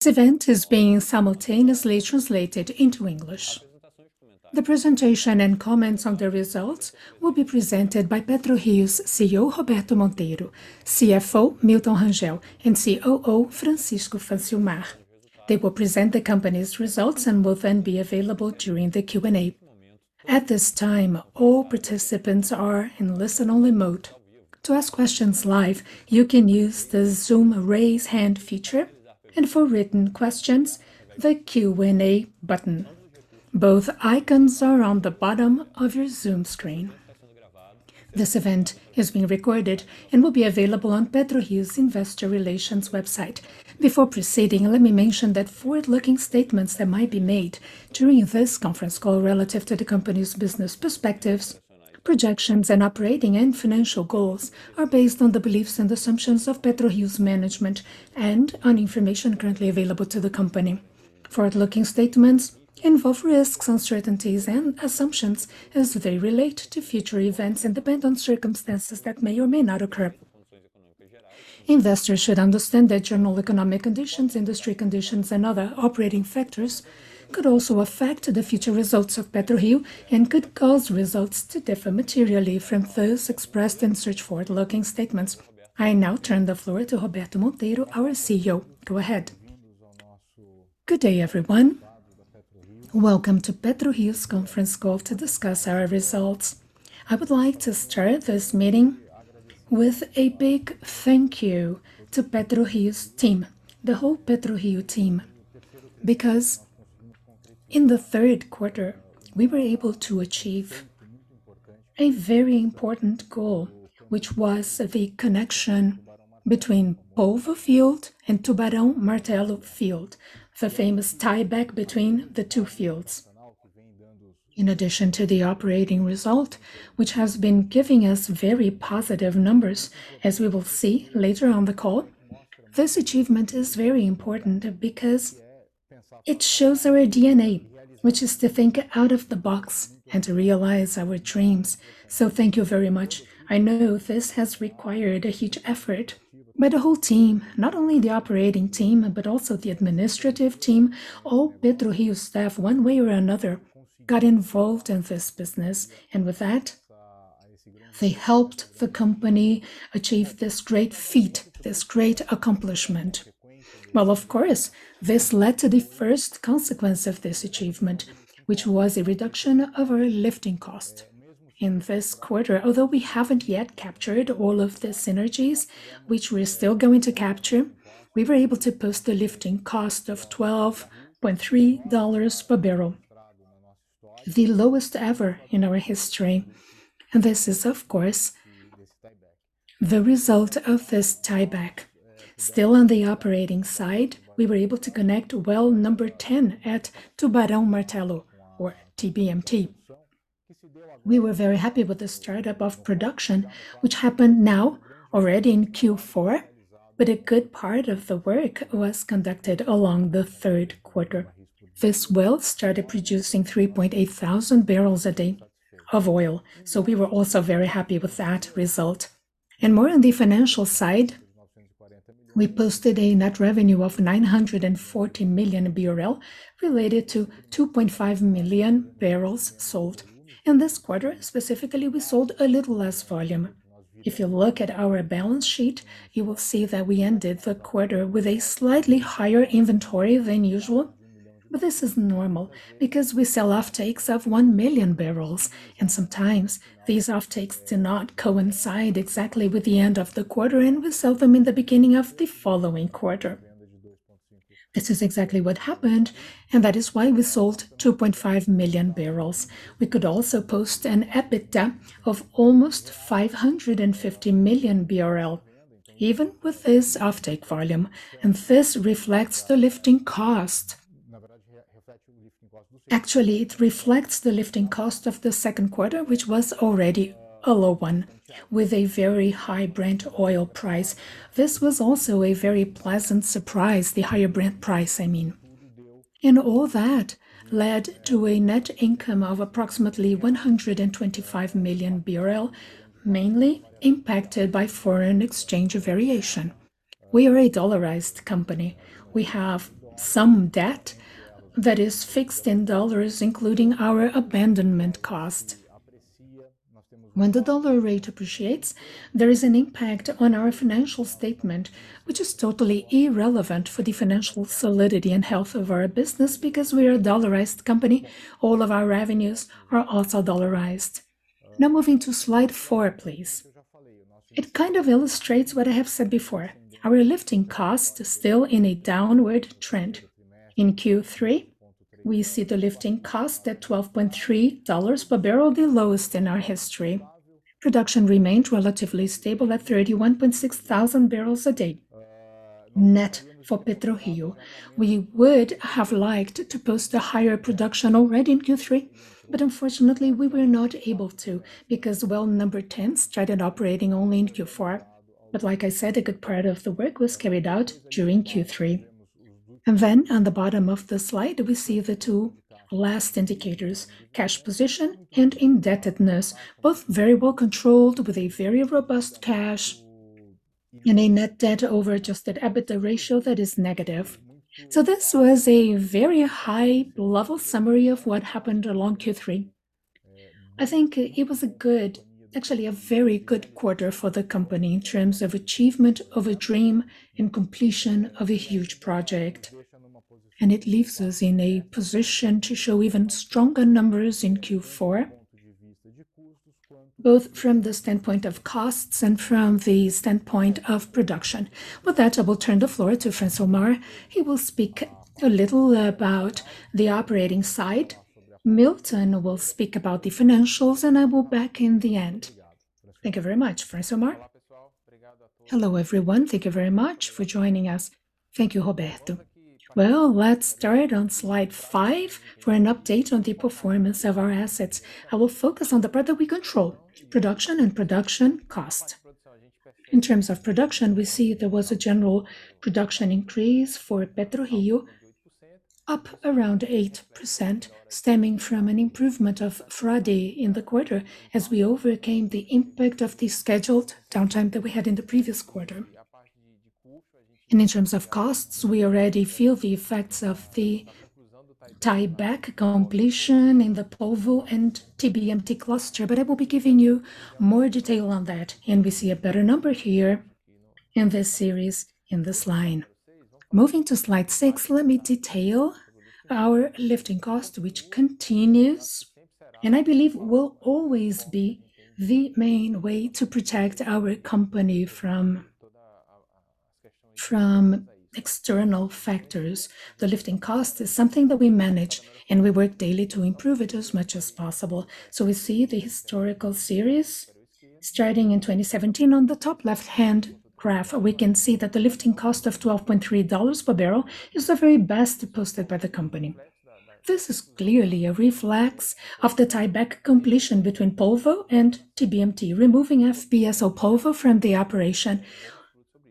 This event is being simultaneously translated into English. The presentation and comments on the results will be presented by PetroRio's CEO, Roberto Monteiro, CFO, Milton Rangel, and COO, Francisco Francilmar. They will present the company's results and will then be available during the Q&A. At this time, all participants are in listen-only mode. To ask questions live, you can use the Zoom Raise Hand feature, and for written questions, the Q&A button. Both icons are on the bottom of your Zoom screen. This event is being recorded and will be available on PetroRio's Investor Relations website. Before proceeding, let me mention that forward-looking statements that might be made during this conference call relative to the company's business perspectives, projections, and operating and financial goals are based on the beliefs and assumptions of PetroRio's management and on information currently available to the company. Forward-looking statements involve risks, uncertainties and assumptions as they relate to future events and depend on circumstances that may or may not occur. Investors should understand that general economic conditions, industry conditions and other operating factors could also affect the future results of PetroRio and could cause results to differ materially from those expressed in such forward-looking statements. I now turn the floor to Roberto Monteiro, our CEO. Go ahead. Good day, everyone. Welcome to PetroRio's conference call to discuss our results. I would like to start this meeting with a big thank you to PetroRio's team, the whole PetroRio team, because in the third quarter, we were able to achieve a very important goal, which was the connection between Polvo field and Tubarão Martelo field, the famous tieback between the two fields. In addition to the operating result, which has been giving us very positive numbers, as we will see later on the call, this achievement is very important because it shows our DNA, which is to think out of the box and to realize our dreams. Thank you very much. I know this has required a huge effort by the whole team, not only the operating team, but also the administrative team. All PetroRio's staff, one way or another, got involved in this business, and with that, they helped the company achieve this great feat, this great accomplishment. Well, of course, this led to the first consequence of this achievement, which was a reduction of our lifting cost. In this quarter, although we haven't yet captured all of the synergies, which we're still going to capture, we were able to post a lifting cost of $12.3 per barrel, the lowest ever in our history. This is, of course, the result of this tieback. Still on the operating side, we were able to connect well number ten at Tubarão Martelo or TBMT. We were very happy with the startup of production, which happened now already in Q4, but a good part of the work was conducted along the third quarter. This well started producing 3.8 thousand barrels a day of oil, so we were also very happy with that result. More on the financial side, we posted a net revenue of 940 million BRL related to 2.5 million barrels sold. In this quarter, specifically, we sold a little less volume. If you look at our balance sheet, you will see that we ended the quarter with a slightly higher inventory than usual. But this is normal because we sell offtakes of 1 million barrels, and sometimes these offtakes do not coincide exactly with the end of the quarter, and we sell them in the beginning of the following quarter. This is exactly what happened, and that is why we sold 2.5 million barrels. We could also post an EBITDA of almost 550 million BRL, even with this offtake volume. This reflects the lifting cost. Actually, it reflects the lifting cost of the second quarter, which was already a low one with a very high Brent oil price. This was also a very pleasant surprise, the higher Brent price, I mean. All that led to a net income of approximately 125 million BRL, mainly impacted by foreign exchange variation. We are a dollarized company. We have some debt that is fixed in dollars, including our abandonment cost. When the dollar rate appreciates, there is an impact on our financial statement, which is totally irrelevant for the financial solidity and health of our business because we are a dollarized company, all of our revenues are also dollarized. Now moving to slide four, please. It kind of illustrates what I have said before. Our lifting cost is still in a downward trend. In Q3, we see the lifting cost at $12.3 per barrel, the lowest in our history. Production remained relatively stable at 31,600 barrels a day net for PetroRio. We would have liked to post a higher production already in Q3, but unfortunately, we were not able to because well number 10 started operating only in Q4. Like I said, a good part of the work was carried out during Q3. On the bottom of the slide, we see the two last indicators, cash position and indebtedness, both very well controlled with a very robust cash. And a net debt over adjusted EBITDA ratio that is negative. This was a very high level summary of what happened along Q3. I think it was a good, actually a very good quarter for the company in terms of achievement of a dream and completion of a huge project. It leaves us in a position to show even stronger numbers in Q4, both from the standpoint of costs and from the standpoint of production. With that, I will turn the floor to Francisco Francilmar. He will speak a little about the operating side. Milton will speak about the financials, and I will back in the end. Thank you very much. Francisco Francilmar? Hello, everyone. Thank you very much for joining us. Thank you, Roberto. Well, let's start on slide five for an update on the performance of our assets. I will focus on the part that we control, production and production cost. In terms of production, we see there was a general production increase for PetroRio, up around 8%, stemming from an improvement of Frade in the quarter as we overcame the impact of the scheduled downtime that we had in the previous quarter. In terms of costs, we already feel the effects of the tieback completion in the Polvo and TBMT cluster. I will be giving you more detail on that, and we see a better number here in this series in this line. Moving to slide six, let me detail our lifting cost, which continues, and I believe will always be the main way to protect our company from external factors. The lifting cost is something that we manage, and we work daily to improve it as much as possible. We see the historical series starting in 2017. On the top left-hand graph, we can see that the lifting cost of $12.3 per barrel is the very best posted by the company. This is clearly a reflection of the tieback completion between Polvo and TBMT, removing FPSO Polvo from the operation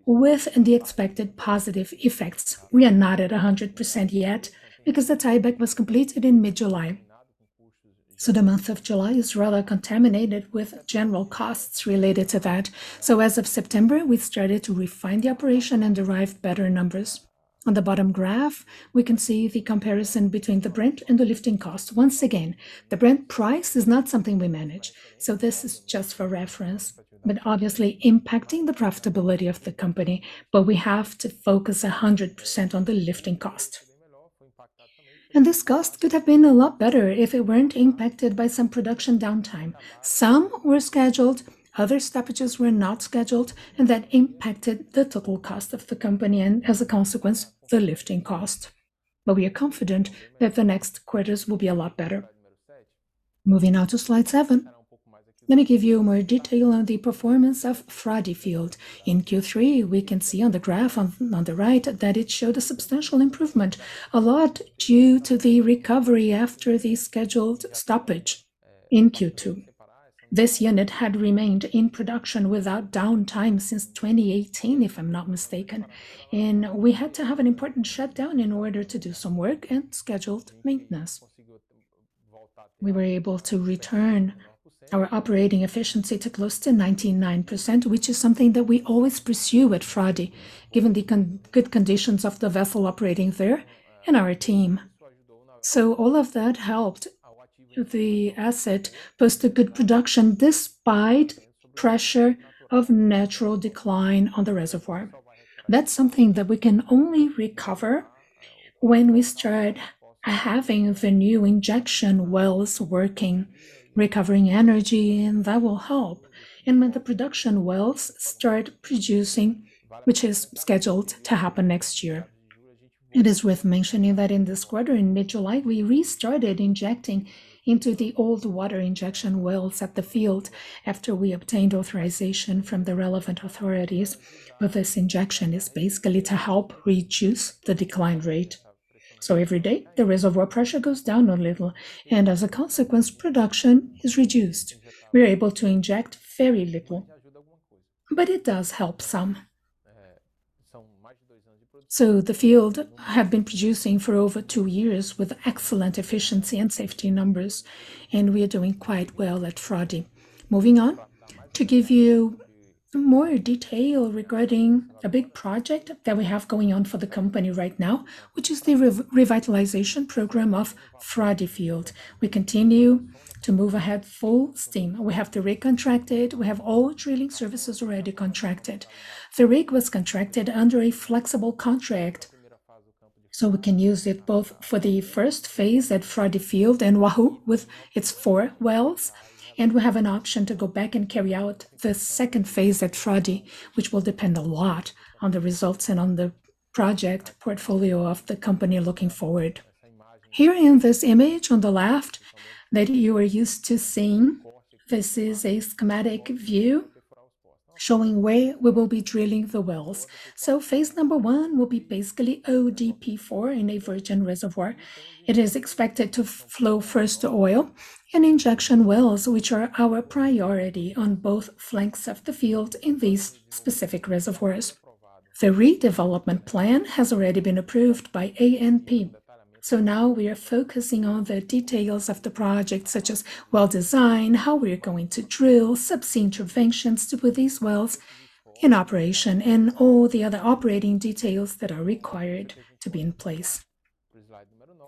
with the expected positive effects. We are not at 100% yet because the tieback was completed in mid-July. The month of July is rather contaminated with general costs related to that. As of September, we started to refine the operation and derive better numbers. On the bottom graph, we can see the comparison between the Brent and the lifting cost. Once again, the Brent price is not something we manage, so this is just for reference, but obviously impacting the profitability of the company. We have to focus 100% on the lifting cost. This cost could have been a lot better if it weren't impacted by some production downtime. Some were scheduled, other stoppages were not scheduled, and that impacted the total cost of the company and, as a consequence, the lifting cost. We are confident that the next quarters will be a lot better. Moving on to slide seven. Let me give you more detail on the performance of Frade field. In Q3, we can see on the graph on the right that it showed a substantial improvement, a lot due to the recovery after the scheduled stoppage in Q2. This unit had remained in production without downtime since 2018, if I'm not mistaken. We had to have an important shutdown in order to do some work and scheduled maintenance. We were able to return our operating efficiency to close to 99%, which is something that we always pursue at Frade, given the good conditions of the vessel operating there and our team. All of that helped the asset post a good production despite pressure of natural decline on the reservoir. That's something that we can only recover when we start having the new injection wells working, recovering energy, and that will help. When the production wells start producing, which is scheduled to happen next year. It is worth mentioning that in this quarter, in mid-July, we restarted injecting into the old water injection wells at the field after we obtained authorization from the relevant authorities. This injection is basically to help reduce the decline rate. Every day, the reservoir pressure goes down a little, and as a consequence, production is reduced. We are able to inject very little, but it does help some. The field have been producing for over two years with excellent efficiency and safety numbers, and we are doing quite well at Frade. Moving on to give you more detail regarding a big project that we have going on for the company right now, which is the revitalization program of Frade field. We continue to move ahead full steam. We have the rig contracted. We have all drilling services already contracted. The rig was contracted under a flexible contract, so we can use it both for the first phase at Frade field and Urucu with its four wells. We have an option to go back and carry out the second phase at Frade, which will depend a lot on the results and on the project portfolio of the company looking forward. Here in this image on the left that you are used to seeing, this is a schematic view showing where we will be drilling the wells. Phase number one will be basically ODP4 in a virgin reservoir. It is expected to flow first oil and injection wells, which are our priority on both flanks of the field in these specific reservoirs. The redevelopment plan has already been approved by ANP. Now we are focusing on the details of the project, such as well design, how we are going to drill subsea interventions to put these wells in operation, and all the other operating details that are required to be in place.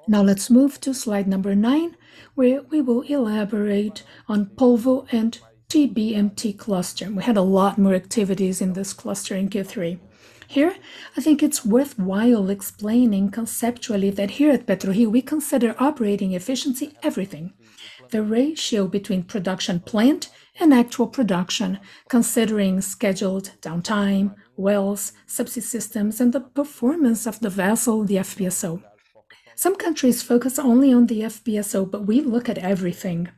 Now let's move to slide number nine, where we will elaborate on Polvo and TBMT cluster. We had a lot more activities in this cluster in Q3. Here, I think it's worthwhile explaining conceptually that here at PetroRio, we consider operating efficiency everything. The ratio between production plant and actual production, considering scheduled downtime, wells, subsea systems, and the performance of the vessel, the FPSO. Some countries focus only on the FPSO, but we look at everything.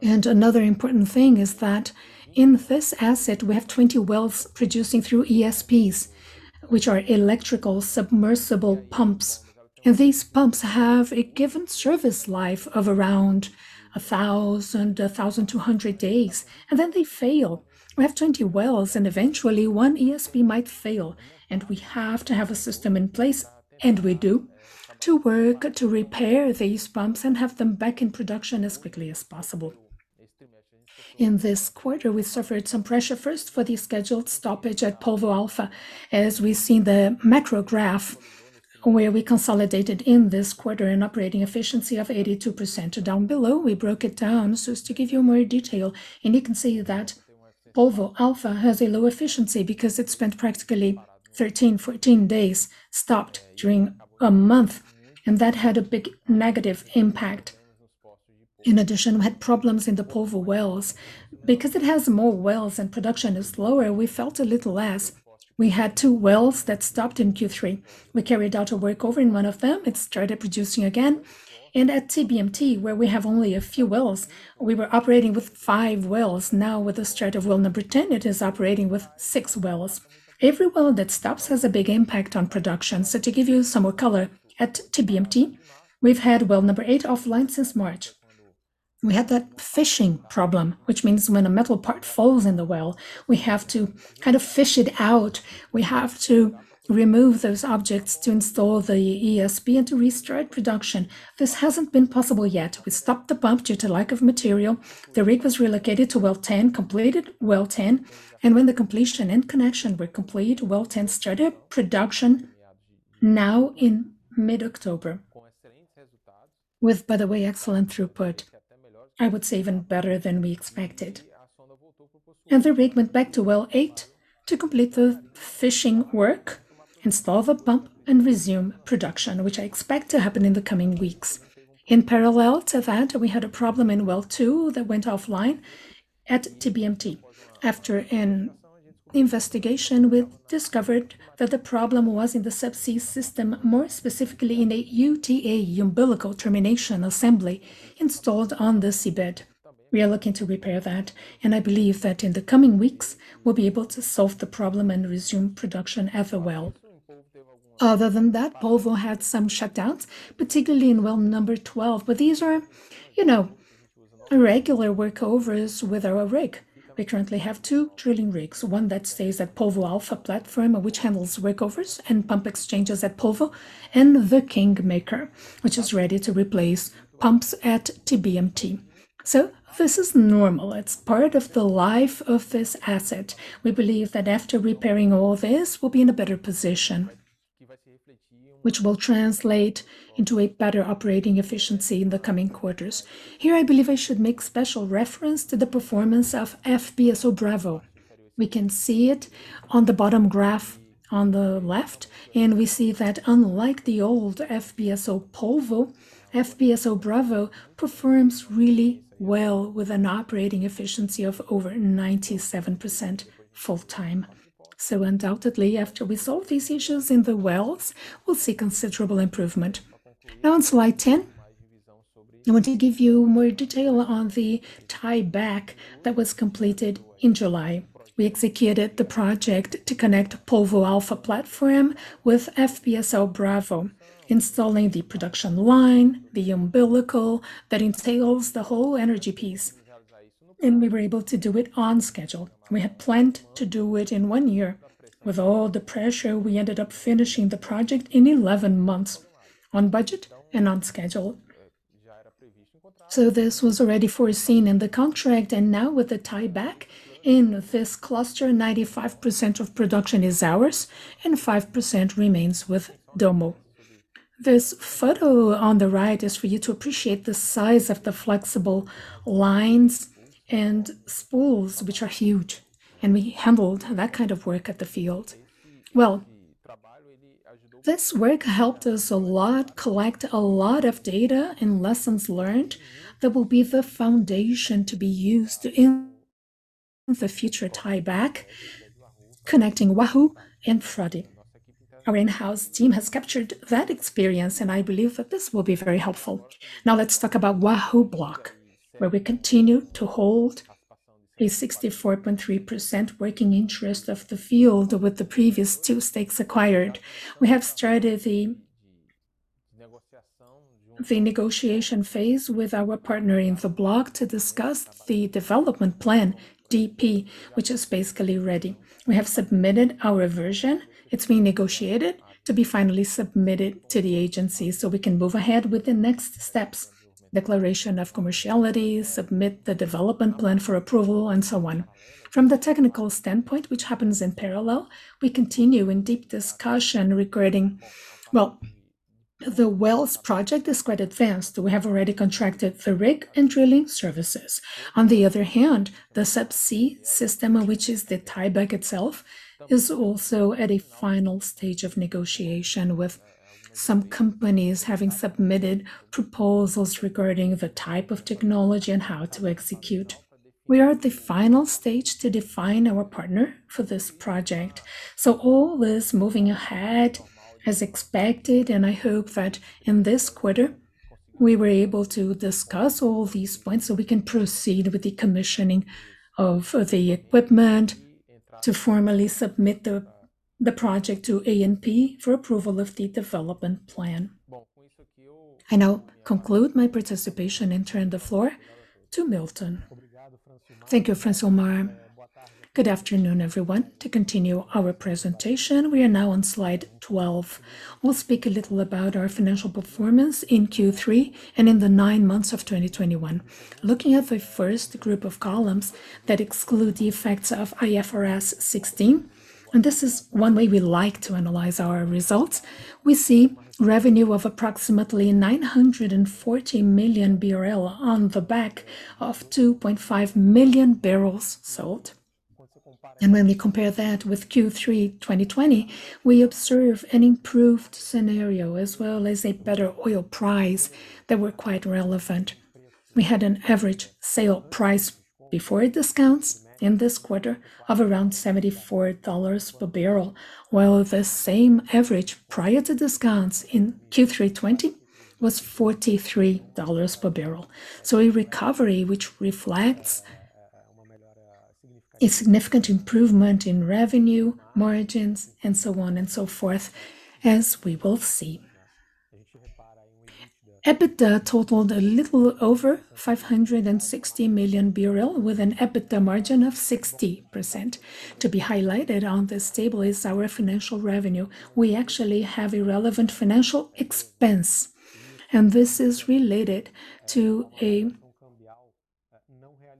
Another important thing is that in this asset, we have 20 wells producing through ESPs, which are electrical submersible pumps. These pumps have a given service life of around 1,000-1,200 days, and then they fail. We have 20 wells, and eventually one ESP might fail, and we have to have a system in place, and we do, to work to repair these pumps and have them back in production as quickly as possible. In this quarter, we suffered some pressure first for the scheduled stoppage at Polvo-A. As we see in the macro graph, where we consolidated in this quarter an operating efficiency of 82%. Down below, we broke it down so as to give you more detail, and you can see that Polvo-A has a low efficiency because it spent practically 13-14 days stopped during a month, and that had a big negative impact. In addition, we had problems in the Polvo wells. Because it has more wells and production is lower, we felt a little less. We had 2 wells that stopped in Q3. We carried out a workover in one of them. It started producing again. At TBMT, where we have only a few wells, we were operating with 5 wells. Now, with the start of well number 10, it is operating with 6 wells. Every well that stops has a big impact on production. To give you some more color, at TBMT, we've had well number 8 offline since March. We had that fishing problem, which means when a metal part falls in the well, we have to kind of fish it out. We have to remove those objects to install the ESP and to restart production. This hasn't been possible yet. We stopped the pump due to lack of material. The rig was relocated to well 10, completed well 10, and when the completion and connection were complete, well 10 started production now in mid-October with, by the way, excellent throughput, I would say even better than we expected. The rig went back to well 8 to complete the fishing work, install the pump, and resume production, which I expect to happen in the coming weeks. In parallel to that, we had a problem in well 2 that went offline at TBMT. After an investigation, we discovered that the problem was in the subsea system, more specifically in a UTA, umbilical termination assembly, installed on the seabed. We are looking to repair that, and I believe that in the coming weeks, we'll be able to solve the problem and resume production at the well. Other than that, Polvo had some shutdowns, particularly in well number 12. These are, you know, regular workovers with our rig. We currently have two drilling rigs, one that stays at Polvo-A platform, which handles workovers and pump exchanges at Polvo, and the Kingmaker, which is ready to replace pumps at TBMT. This is normal. It's part of the life of this asset. We believe that after repairing all this, we'll be in a better position, which will translate into a better operating efficiency in the coming quarters. Here, I believe I should make special reference to the performance of FPSO Bravo. We can see it on the bottom graph on the left, and we see that unlike the old FPSO Polvo, FPSO Bravo performs really well with an operating efficiency of over 97% full-time. Undoubtedly, after we solve these issues in the wells, we'll see considerable improvement. Now, on slide 10, I want to give you more detail on the tieback that was completed in July. We executed the project to connect Polvo-A platform with FPSO Bravo, installing the production line, the umbilical that entails the whole energy piece, and we were able to do it on schedule. We had planned to do it in 1 year. With all the pressure, we ended up finishing the project in 11 months, on budget and on schedule. This was already foreseen in the contract, and now with the tieback in this cluster, 95% of production is ours, and 5% remains with Dommo. This photo on the right is for you to appreciate the size of the flexible lines and spools, which are huge. We handled that kind of work at the field. Well, this work helped us a lot collect a lot of data and lessons learned that will be the foundation to be used in the future tieback connecting Wahoo and Frade. Our in-house team has captured that experience, and I believe that this will be very helpful. Now let's talk about Wahoo Block, where we continue to hold a 64.3% working interest of the field with the previous two stakes acquired. We have started the negotiation phase with our partner in the block to discuss the development plan, DP, which is basically ready. We have submitted our version. It's being negotiated to be finally submitted to the agency so we can move ahead with the next steps, declaration of commerciality, submit the development plan for approval, and so on. From the technical standpoint, which happens in parallel, we continue in deep discussion regarding... Well, the wells project is quite advanced. We have already contracted the rig and drilling services. On the other hand, the subsea system, which is the tieback itself, is also at a final stage of negotiation with some companies having submitted proposals regarding the type of technology and how to execute. We are at the final stage to define our partner for this project. All is moving ahead as expected, and I hope that in this quarter, we were able to discuss all these points so we can proceed with the commissioning of the equipment to formally submit the project to ANP for approval of the development plan. I now conclude my participation and turn the floor to Milton. Thank you, Francilmar. Good afternoon, everyone. To continue our presentation, we are now on slide 12. We'll speak a little about our financial performance in Q3 and in the nine months of 2021. Looking at the first group of columns that exclude the effects of IFRS 16, and this is one way we like to analyze our results, we see revenue of approximately 940 million BRL on the back of 2.5 million barrels sold. When we compare that with Q3 2020, we observe an improved scenario as well as a better oil price that were quite relevant. We had an average sale price before discounts in this quarter of around $74 per barrel, while the same average prior to discounts in Q3 2020 was $43 per barrel. A recovery which reflects a significant improvement in revenue margins and so on and so forth as we will see. EBITDA totaled a little over 560 million BRL with an EBITDA margin of 60%. To be highlighted on this table is our financial revenue. We actually have irrelevant financial expense, and this is related to a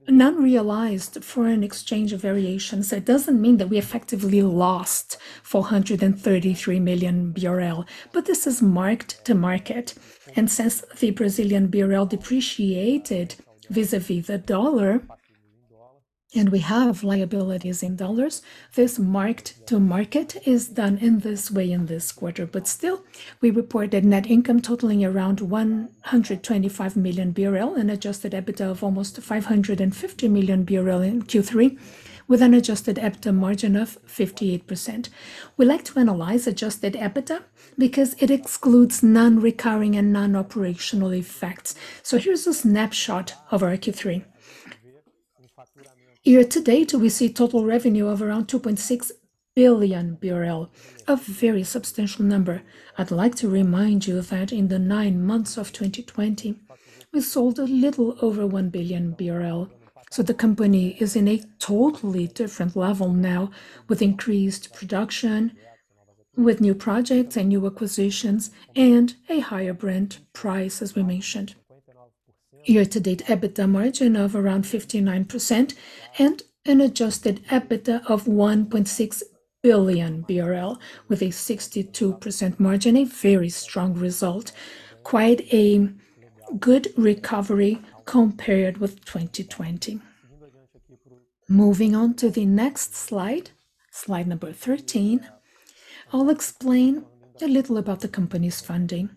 non-realized foreign exchange variation. It doesn't mean that we effectively lost 433 million BRL, but this is marked to market. Since the Brazilian BRL depreciated vis-a-vis the dollar, and we have liabilities in dollars, this marked to market is done in this way in this quarter. Still, we reported net income totaling around 125 million BRL and adjusted EBITDA of almost 550 million BRL in Q3 with an adjusted EBITDA margin of 58%. We like to analyze adjusted EBITDA because it excludes non-recurring and non-operational effects. Here's a snapshot of our Q3. Year to date, we see total revenue of around 2.6 billion BRL, a very substantial number. I'd like to remind you that in the nine months of 2020, we sold a little over 1 billion BRL. The company is in a totally different level now with increased production, with new projects and new acquisitions, and a higher Brent price, as we mentioned. Year to date EBITDA margin of around 59% and an adjusted EBITDA of 1.6 billion BRL with a 62% margin, a very strong result. Quite a good recovery compared with 2020. Moving on to the next slide 13, I'll explain a little about the company's funding.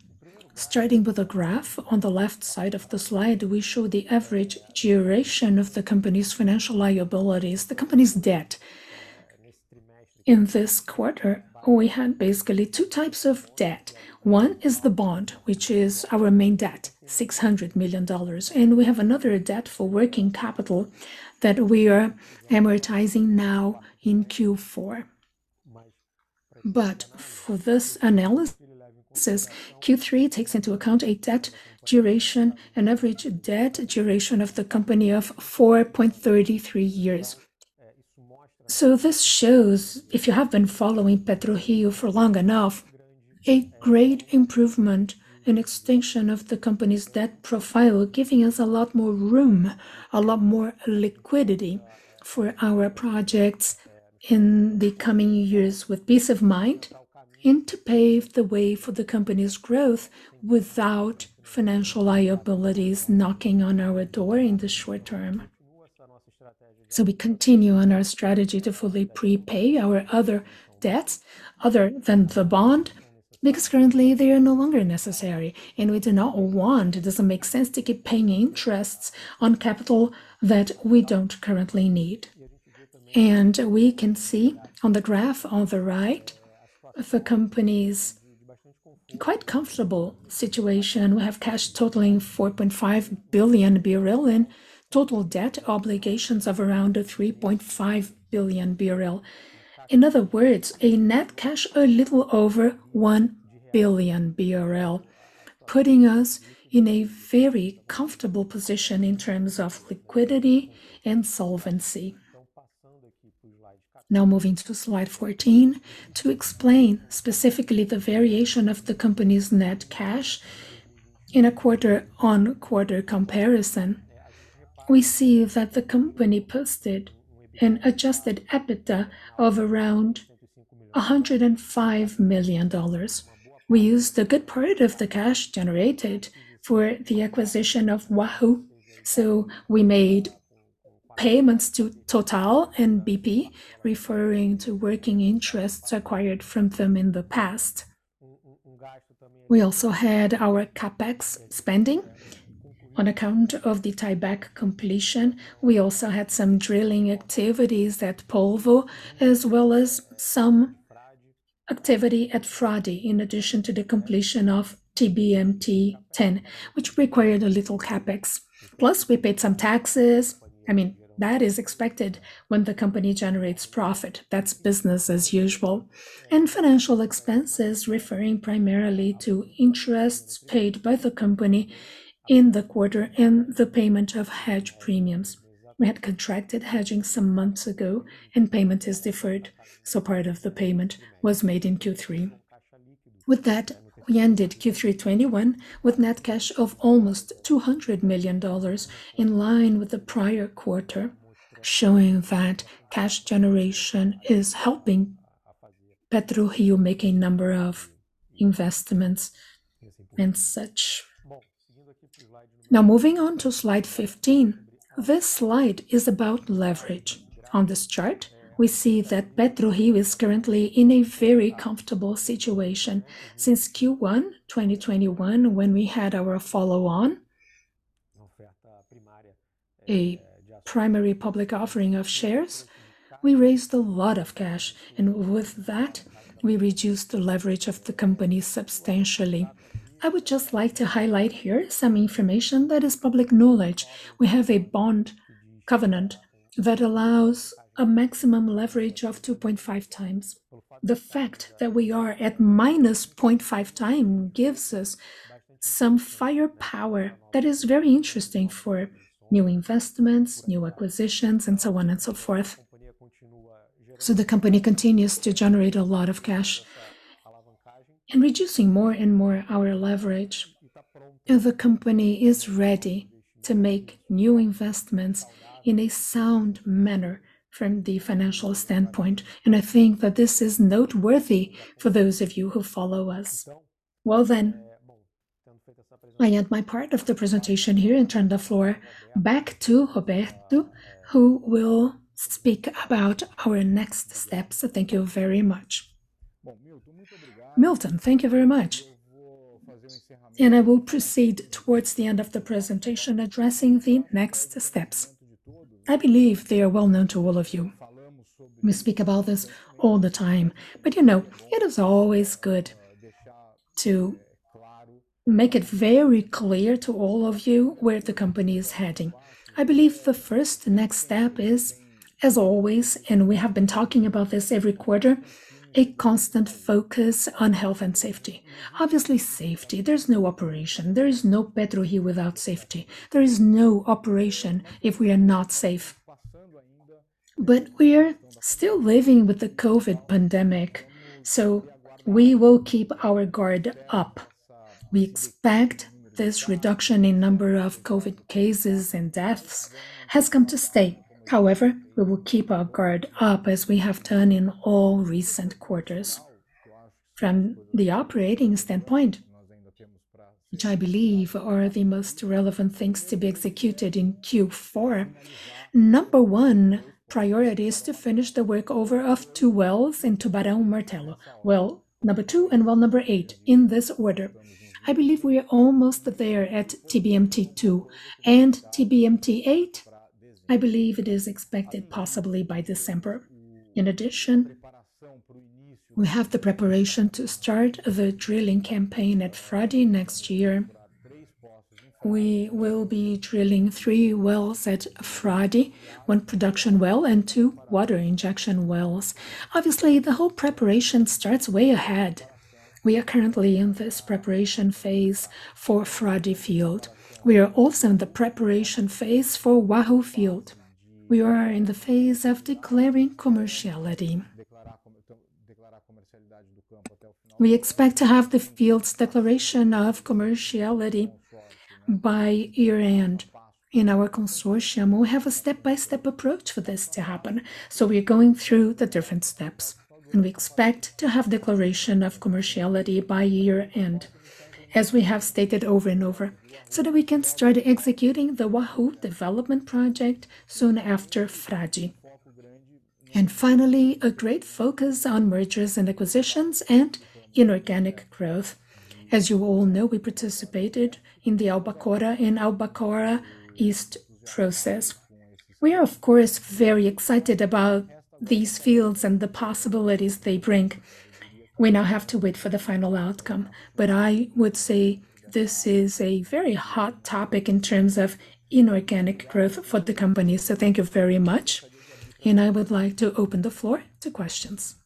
Starting with a graph on the left side of the slide, we show the average duration of the company's financial liabilities, the company's debt. In this quarter, we had basically two types of debt. One is the bond, which is our main debt, $600 million. We have another debt for working capital that we are amortizing now in Q4. For this analysis, Q3 takes into account a debt duration, an average debt duration of the company of 4.33 years. This shows, if you have been following PetroRio for long enough, a great improvement and extension of the company's debt profile, giving us a lot more room, a lot more liquidity for our projects in the coming years with peace of mind, and to pave the way for the company's growth without financial liabilities knocking on our door in the short term. We continue on our strategy to fully prepay our other debts other than the bond, because currently they are no longer necessary, and we do not want, it doesn't make sense to keep paying interests on capital that we don't currently need. We can see on the graph on the right the company's quite comfortable situation. We have cash totaling 4.5 billion BRL and total debt obligations of around 3.5 billion BRL. In other words, a net cash a little over 1 billion BRL. Putting us in a very comfortable position in terms of liquidity and solvency. Now moving to slide 14, to explain specifically the variation of the company's net cash in a quarter-on-quarter comparison, we see that the company posted an adjusted EBITDA of around $105 million. We used a good part of the cash generated for the acquisition of Wahoo, so we made payments to Total and BP, referring to working interests acquired from them in the past. We also had our CapEx spending on account of the tieback completion. We also had some drilling activities at Polvo, as well as some activity at Frade, in addition to the completion of TBMT-10, which required a little CapEx. Plus, we paid some taxes. I mean, that is expected when the company generates profit. That's business as usual. Financial expenses, referring primarily to interests paid by the company in the quarter and the payment of hedge premiums. We had contracted hedging some months ago, and payment is deferred, so part of the payment was made in Q3. With that, we ended Q3 2021 with net cash of almost $200 million, in line with the prior quarter, showing that cash generation is helping PetroRio make a number of investments and such. Now, moving on to slide 15. This slide is about leverage. On this chart, we see that PetroRio is currently in a very comfortable situation. Since Q1 2021, when we had our follow-on, a primary public offering of shares, we raised a lot of cash, and with that, we reduced the leverage of the company substantially. I would just like to highlight here some information that is public knowledge. We have a bond covenant that allows a maximum leverage of 2.5 times. The fact that we are at -0.5 times gives us some firepower that is very interesting for new investments, new acquisitions, and so on and so forth. The company continues to generate a lot of cash. In reducing more and more our leverage, the company is ready to make new investments in a sound manner from the financial standpoint, and I think that this is noteworthy for those of you who follow us. Well then, I end my part of the presentation here and turn the floor back to Roberto, who will speak about our next steps. Thank you very much. Milton, thank you very much. I will proceed towards the end of the presentation, addressing the next steps. I believe they are well-known to all of you. We speak about this all the time, but you know, it is always good to make it very clear to all of you where the company is heading. I believe the first next step is, as always, and we have been talking about this every quarter, a constant focus on health and safety. Obviously, safety, there's no operation. There is no PetroRio without safety. There is no operation if we are not safe. We are still living with the COVID pandemic, so we will keep our guard up. We expect this reduction in number of COVID cases and deaths has come to stay. However, we will keep our guard up as we have done in all recent quarters. From the operating standpoint, which I believe are the most relevant things to be executed in Q4, number 1 priority is to finish the workover of 2 wells in Tubarão Martelo. Well number 2 and well number 8 in this order. I believe we are almost there at TBMT-2 and TBMT-8. I believe it is expected possibly by December. In addition, we have the preparation to start the drilling campaign at Frade next year. We will be drilling three wells at Frade, one production well and two water injection wells. Obviously, the whole preparation starts way ahead. We are currently in this preparation phase for Frade field. We are also in the preparation phase for Wahoo field. We are in the phase of declaring commerciality. We expect to have the field's declaration of commerciality by year-end. In our consortium, we have a step-by-step approach for this to happen, so we are going through the different steps, and we expect to have declaration of commerciality by year-end, as we have stated over and over, so that we can start executing the Wahoo development project soon after Frade. Finally, a great focus on mergers and acquisitions and inorganic growth. As you all know, we participated in the Albacora and Albacora Leste process. We are, of course, very excited about these fields and the possibilities they bring. We now have to wait for the final outcome. I would say this is a very hot topic in terms of inorganic growth for the company. Thank you very much, and I would like to open the floor to questions.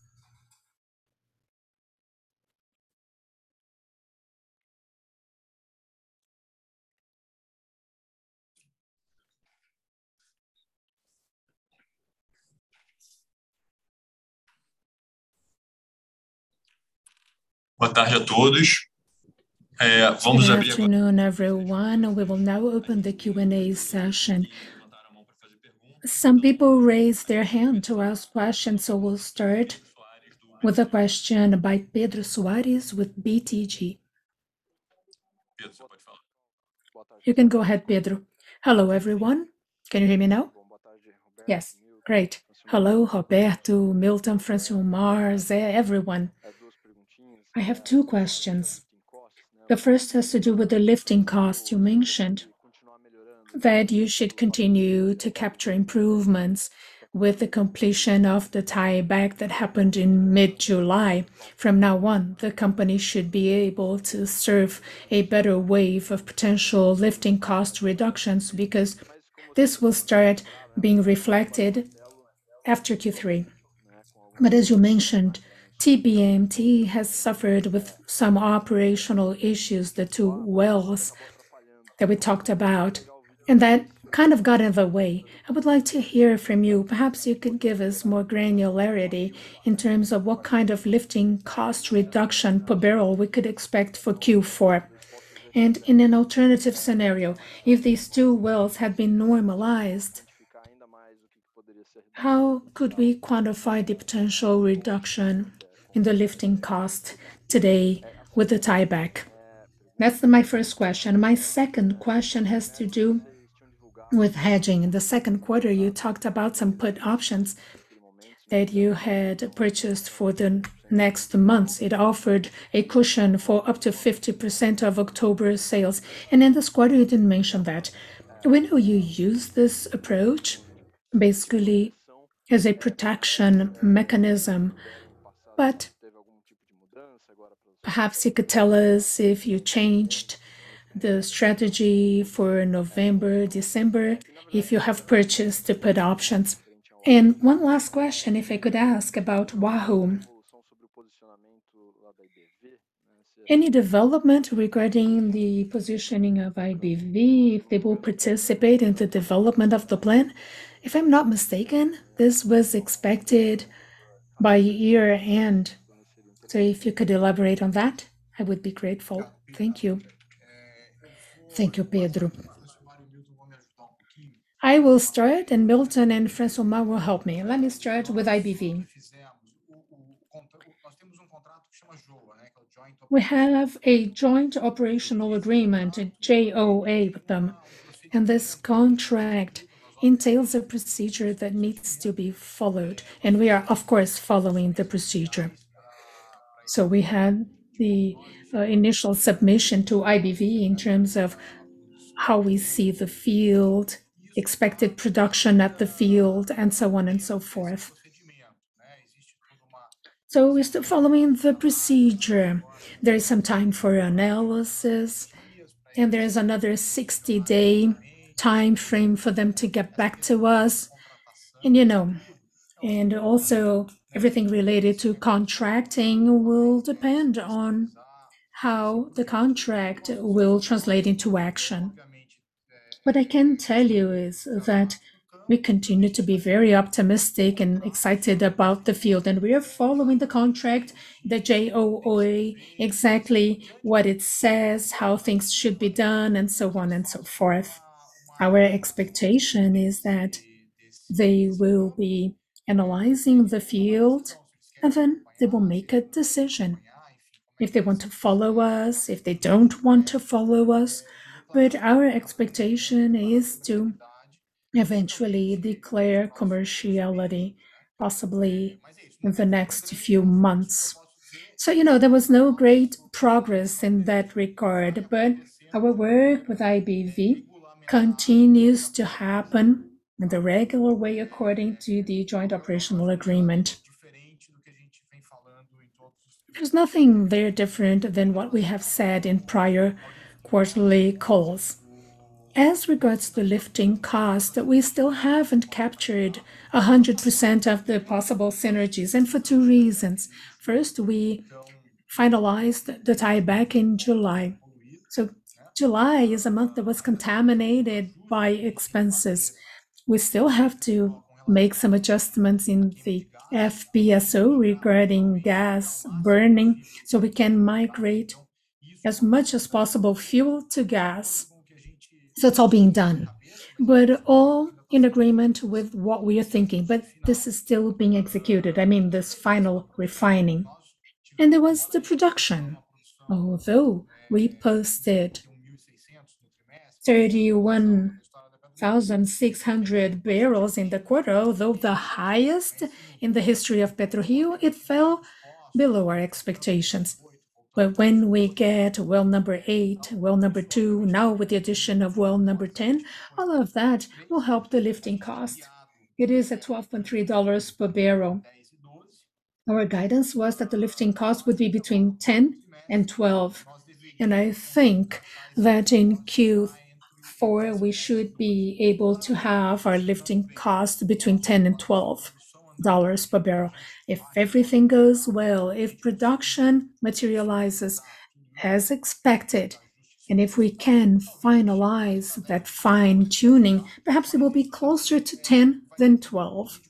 Good afternoon, everyone. We will now open the Q&A session. Some people raised their hand to ask questions, so we'll start with a question by Pedro Soares with BTG. You can go ahead, Pedro. Hello, everyone. Can you hear me now? Yes. Great. Hello, Roberto Monteiro, Milton Rangel, Francisco Francilmar, everyone. I have two questions. The first has to do with the lifting cost. You mentioned that you should continue to capture improvements with the completion of the tieback that happened in mid-July. From now on, the company should be able to serve a better wave of potential lifting cost reductions because this will start being reflected after Q3. As you mentioned, TBMT has suffered with some operational issues, the two wells that we talked about, and that kind of got in the way. I would like to hear from you. Perhaps you could give us more granularity in terms of what kind of lifting cost reduction per barrel we could expect for Q4. In an alternative scenario, if these two wells had been normalized, how could we quantify the potential reduction in the lifting cost today with the tieback? That's my first question. My second question has to do with hedging. In the second quarter, you talked about some put options that you had purchased for the next months. It offered a cushion for up to 50% of October sales. In this quarter, you didn't mention that. When will you use this approach? Basically as a protection mechanism. Perhaps you could tell us if you changed the strategy for November, December, if you have purchased the put options. One last question, if I could ask about Wahoo. Any development regarding the positioning of IBV, if they will participate in the development of the plan? If I'm not mistaken, this was expected by year-end. If you could elaborate on that, I would be grateful. Thank you. Thank you, Pedro. I will start, and Milton and Francilmar will help me. Let me start with IBV. We have a joint operational agreement, a JOA, with them, and this contract entails a procedure that needs to be followed, and we are of course following the procedure. We had the initial submission to IBV in terms of how we see the field, expected production at the field, and so on and so forth. We're still following the procedure. There is some time for analysis, and there is another 60-day timeframe for them to get back to us. You know, and also everything related to contracting will depend on how the contract will translate into action. What I can tell you is that we continue to be very optimistic and excited about the field, and we are following the contract, the JOA, exactly what it says, how things should be done, and so on and so forth. Our expectation is that they will be analyzing the field, and then they will make a decision if they want to follow us, if they don't want to follow us. Our expectation is to eventually declare commerciality, possibly in the next few months. You know, there was no great progress in that regard, but our work with IBV continues to happen in the regular way according to the joint operational agreement. There's nothing there different than what we have said in prior quarterly calls. As regards to the lifting cost, we still haven't captured 100% of the possible synergies, and for two reasons. First, we finalized the tieback in July. July is a month that was contaminated by expenses. We still have to make some adjustments in the FPSO regarding gas burning so we can migrate as much as possible fuel to gas. It's all being done. But all in agreement with what we are thinking. But this is still being executed. I mean, this final refining. There was the production. Although we posted 31,000 barrels in the quarter, although the highest in the history of PetroRio, it fell below our expectations. When we get well number 8, well number 2, now with the addition of well number 10, all of that will help the lifting cost. It is at $12.3 per barrel. Our guidance was that the lifting cost would be between $10 and $12, and I think that in Q4 we should be able to have our lifting cost between $10 and $12 per barrel. If everything goes well, if production materializes as expected, and if we can finalize that fine-tuning, perhaps it will be closer to 10 than 12.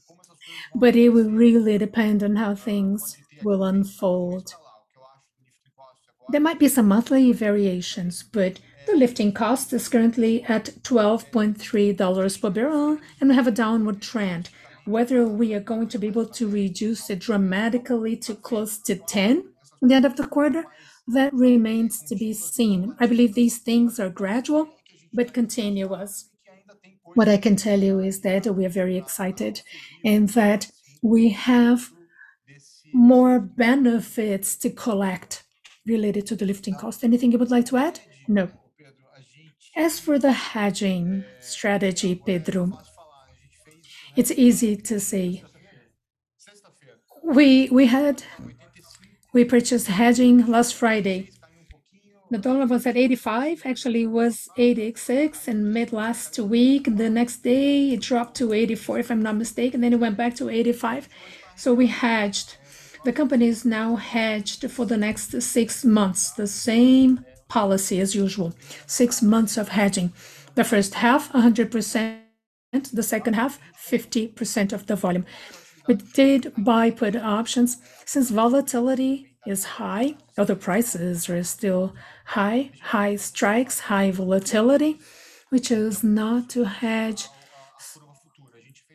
It will really depend on how things will unfold. There might be some monthly variations, but the lifting cost is currently at $12.3 per barrel, and they have a downward trend. Whether we are going to be able to reduce it dramatically to close to 10 in the end of the quarter, that remains to be seen. I believe these things are gradual but continuous. What I can tell you is that we are very excited and that we have more benefits to collect related to the lifting cost. Anything you would like to add? No. As for the hedging strategy, Pedro, it's easy to say. We purchased hedging last Friday. The dollar was at 85. Actually, it was 86 in mid last week. The next day it dropped to 84, if I'm not mistaken, then it went back to 85. So we hedged. The company is now hedged for the next 6 months. The same policy as usual. 6 months of hedging. The first half, 100%. The second half, 50% of the volume. We did buy put options since volatility is high or the prices are still high, high strikes, high volatility. We chose not to hedge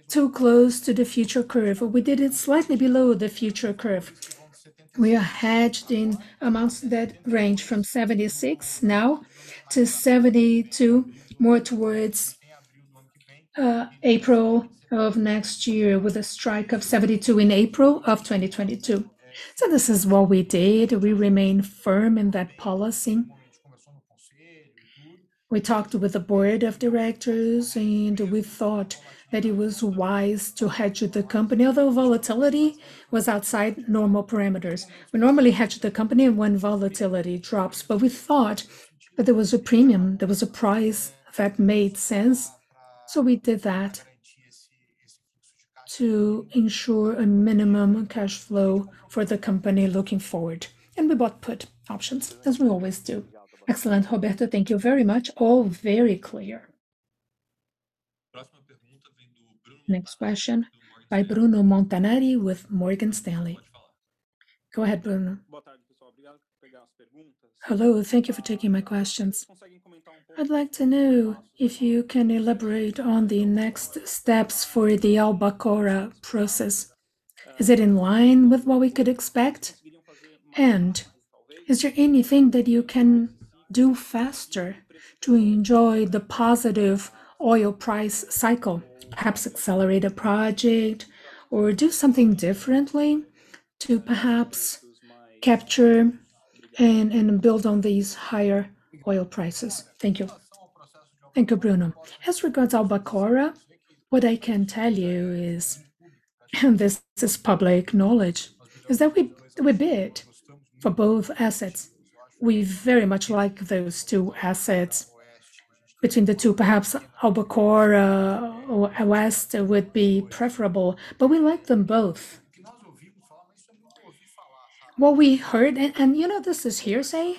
too close to the future curve. We did it slightly below the future curve. We are hedged in amounts that range from $76 now to $72 more towards April of next year with a strike of $72 in April of 2022. This is what we did. We remain firm in that policy. We talked with the board of directors and we thought that it was wise to hedge the company, although volatility was outside normal parameters. We normally hedge the company when volatility drops, but we thought that there was a premium, there was a price that made sense, so we did that to ensure a minimum cash flow for the company looking forward, and we bought put options as we always do. Excellent, Roberto. Thank you very much. All very clear. Next question by Bruno Montanari with Morgan Stanley. Go ahead, Bruno. Hello, thank you for taking my questions. I'd like to know if you can elaborate on the next steps for the Albacora process. Is it in line with what we could expect? And is there anything that you can do faster to enjoy the positive oil price cycle, perhaps accelerate a project or do something differently to perhaps capture and build on these higher oil prices? Thank you. Thank you, Bruno. As regards Albacora, what I can tell you is, and this is public knowledge, is that we bid for both assets. We very much like those two assets. Between the two, perhaps Albacora Oeste would be preferable, but we like them both. What we heard, and you know this is hearsay,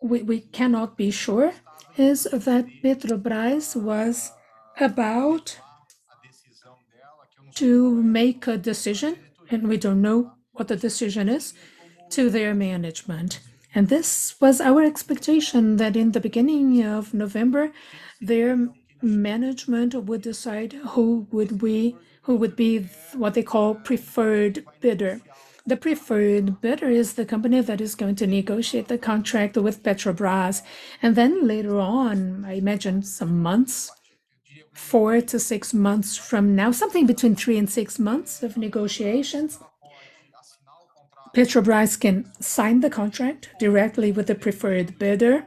we cannot be sure, is that Petrobras was about to make a decision, and we don't know what the decision is to their management. This was our expectation, that in the beginning of November, their management would decide who would be what they call preferred bidder. The preferred bidder is the company that is going to negotiate the contract with Petrobras. Later on, I imagine some months, 4-6 months from now, something between 3 and 6 months of negotiations, Petrobras can sign the contract directly with the preferred bidder,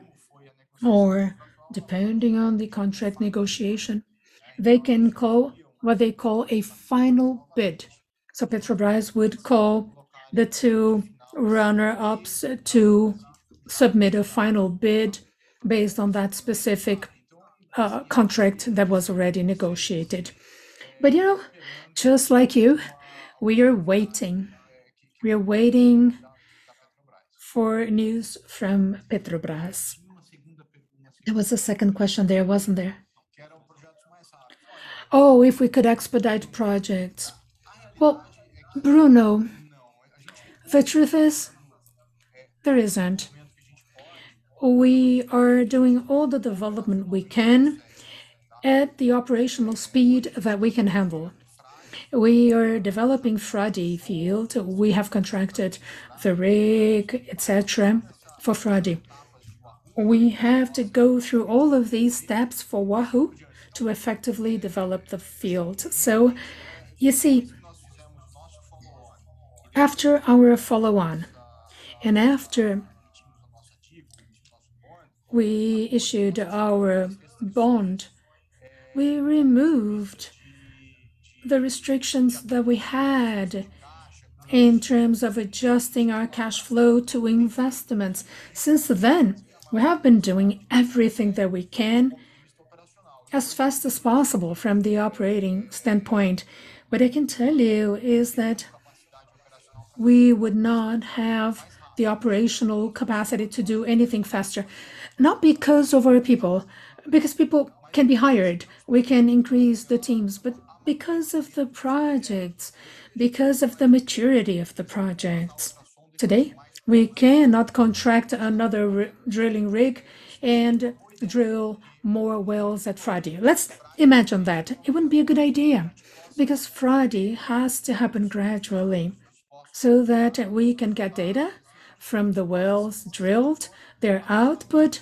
or depending on the contract negotiation, they can call what they call a final bid. Petrobras would call the 2 runner-ups to submit a final bid based on that specific, contract that was already negotiated. You know, just like you, we are waiting. We are waiting for news from Petrobras. There was a second question there, wasn't there? Oh, if we could expedite projects. Well, Bruno, the truth is, there isn't. We are doing all the development we can at the operational speed that we can handle. We are developing Frade field. We have contracted the rig, et cetera, for Frade. We have to go through all of these steps for Wahoo to effectively develop the field. You see, after our follow-on and after we issued our bond, we removed the restrictions that we had in terms of adjusting our cash flow to investments. Since then, we have been doing everything that we can as fast as possible from the operating standpoint. What I can tell you is that we would not have the operational capacity to do anything faster, not because of our people, because people can be hired, we can increase the teams, but because of the projects, because of the maturity of the projects. Today, we cannot contract another drilling rig and drill more wells at Frade. Let's imagine that. It wouldn't be a good idea because Frade has to happen gradually so that we can get data from the wells drilled, their output,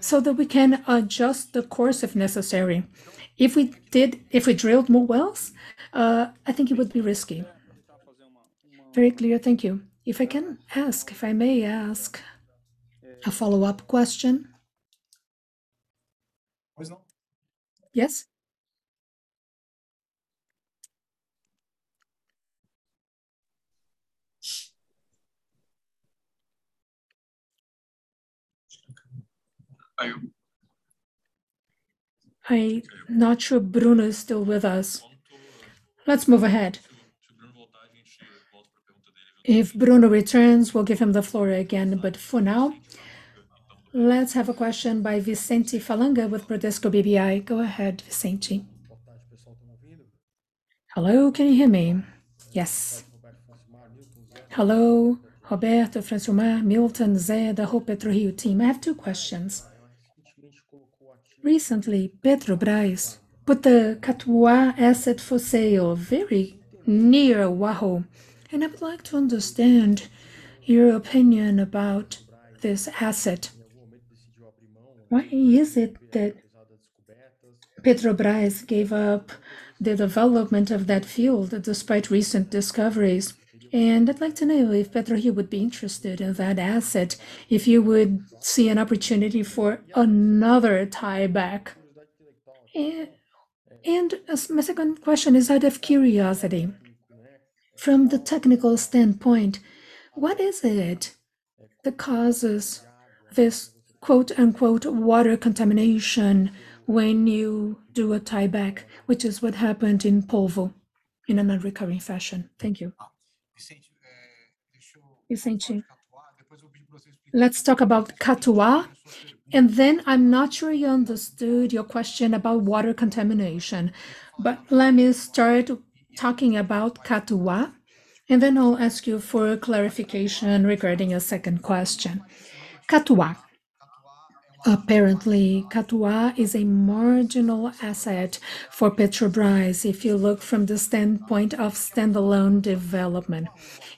so that we can adjust the course if necessary. If we drilled more wells, I think it would be risky. Very clear. Thank you. If I may ask a follow-up question. Yes. Yes? I'm not sure Bruno is still with us. Let's move ahead. If Bruno returns, we'll give him the floor again. For now, let's have a question by Vicente Falanga with Bradesco BBI. Go ahead, Vicente. Hello, can you hear me? Yes. Hello, Roberto, Francilmar, Milton, José, the whole PetroRio team. I have two questions. Recently, Petrobras put the Catuá asset for sale very near Wahoo. I would like to understand your opinion about this asset. Why is it that Petrobras gave up the development of that field despite recent discoveries? I'd like to know if PetroRio would be interested in that asset, if you would see an opportunity for another tieback. As my second question is out of curiosity, from the technical standpoint, what is it that causes this quote-unquote, water contamination when you do a tieback, which is what happened in Polvo in a non-recurring fashion? Thank you. Vicente, let's talk about Catuá, and then I'm not sure you understood your question about water contamination. Let me start talking about Catuá, and then I'll ask you for a clarification regarding your second question. Catuá. Apparently, Catuá is a marginal asset for Petrobras if you look from the standpoint of standalone development.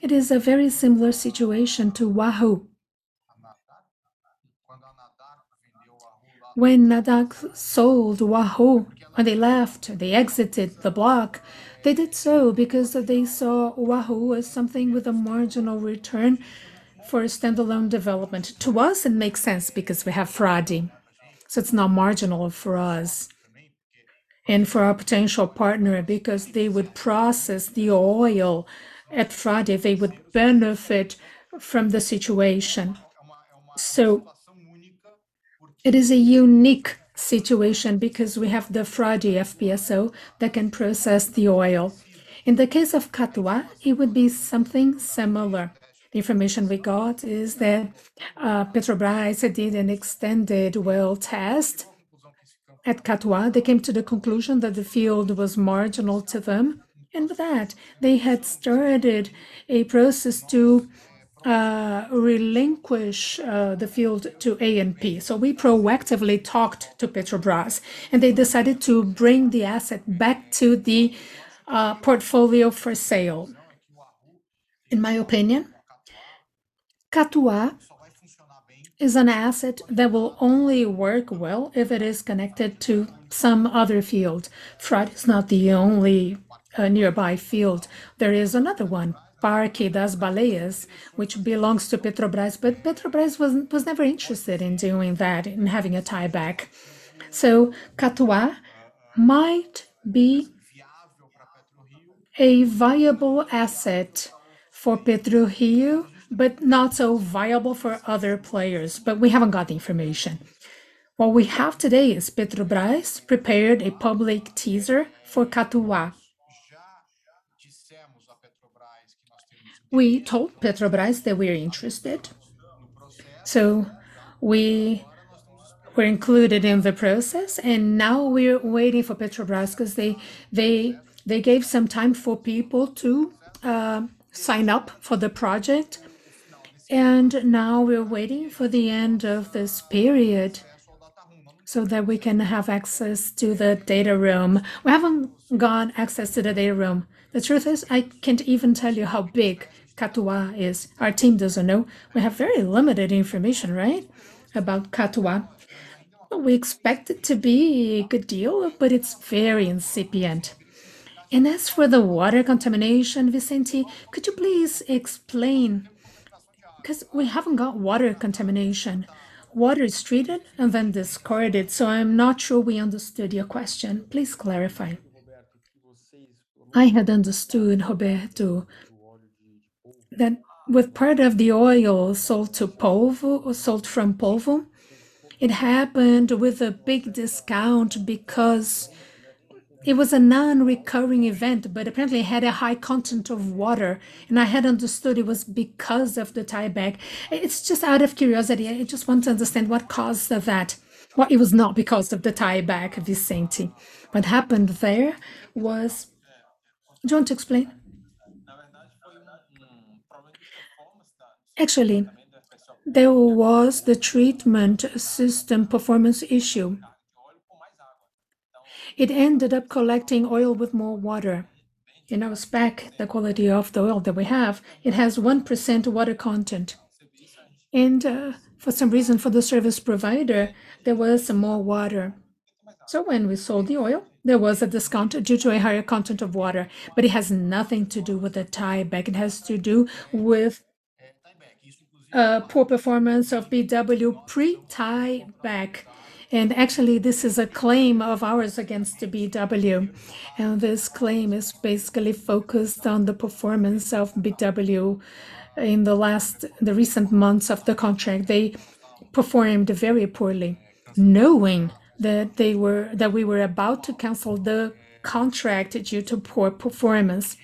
It is a very similar situation to Wahoo. When Anadarko sold Wahoo, when they left, they exited the block, they did so because they saw Wahoo as something with a marginal return for a standalone development. To us, it makes sense because we have Frade, so it's not marginal for us and for our potential partner because they would process the oil at Frade, they would benefit from the situation. It is a unique situation because we have the Frade FPSO that can process the oil. In the case of Catuá, it would be something similar. The information we got is that, Petrobras did an extended well test at Catuá. They came to the conclusion that the field was marginal to them, and with that, they had started a process to, relinquish, the field to ANP. We proactively talked to Petrobras, and they decided to bring the asset back to the portfolio for sale. In my opinion, Catuá is an asset that will only work well if it is connected to some other field. Frade is not the only nearby field. There is another one, Parque das Baleias, which belongs to Petrobras, but Petrobras was never interested in doing that and having a tieback. Catuá might be a viable asset for PetroRio, but not so viable for other players. We haven't got the information. What we have today is Petrobras prepared a public teaser for Catuá. We told Petrobras that we are interested, so we were included in the process, and now we're waiting for Petrobras 'cause they gave some time for people to sign up for the project. Now we're waiting for the end of this period so that we can have access to the data room. We haven't gotten access to the data room. The truth is, I can't even tell you how big Catuá is. Our team doesn't know. We have very limited information, right, about Catuá. We expect it to be a good deal, but it's very incipient. As for the water contamination, Vicente, could you please explain. 'Cause we haven't got water contamination. Water is treated and then discarded, so I'm not sure we understood your question. Please clarify. I had understood, Roberto, that with part of the oil sold to Polvo or sold from Polvo, it happened with a big discount because it was a non-recurring event, but apparently it had a high content of water, and I had understood it was because of the tieback. It's just out of curiosity. I just want to understand what caused that. Well, it was not because of the tieback, Vicente. What happened there was. Do you want to explain? Actually, there was the treatment system performance issue. It ended up collecting oil with more water. In our spec, the quality of the oil that we have, it has 1% water content. For some reason, for the service provider, there was some more water. When we sold the oil, there was a discount due to a higher content of water. It has nothing to do with the tieback. It has to do with poor performance of BW pre-tieback. Actually, this is a claim of ours against the BW. This claim is basically focused on the performance of BW in the recent months of the contract. They performed very poorly, knowing that they were, that we were about to cancel the contract due to poor performance.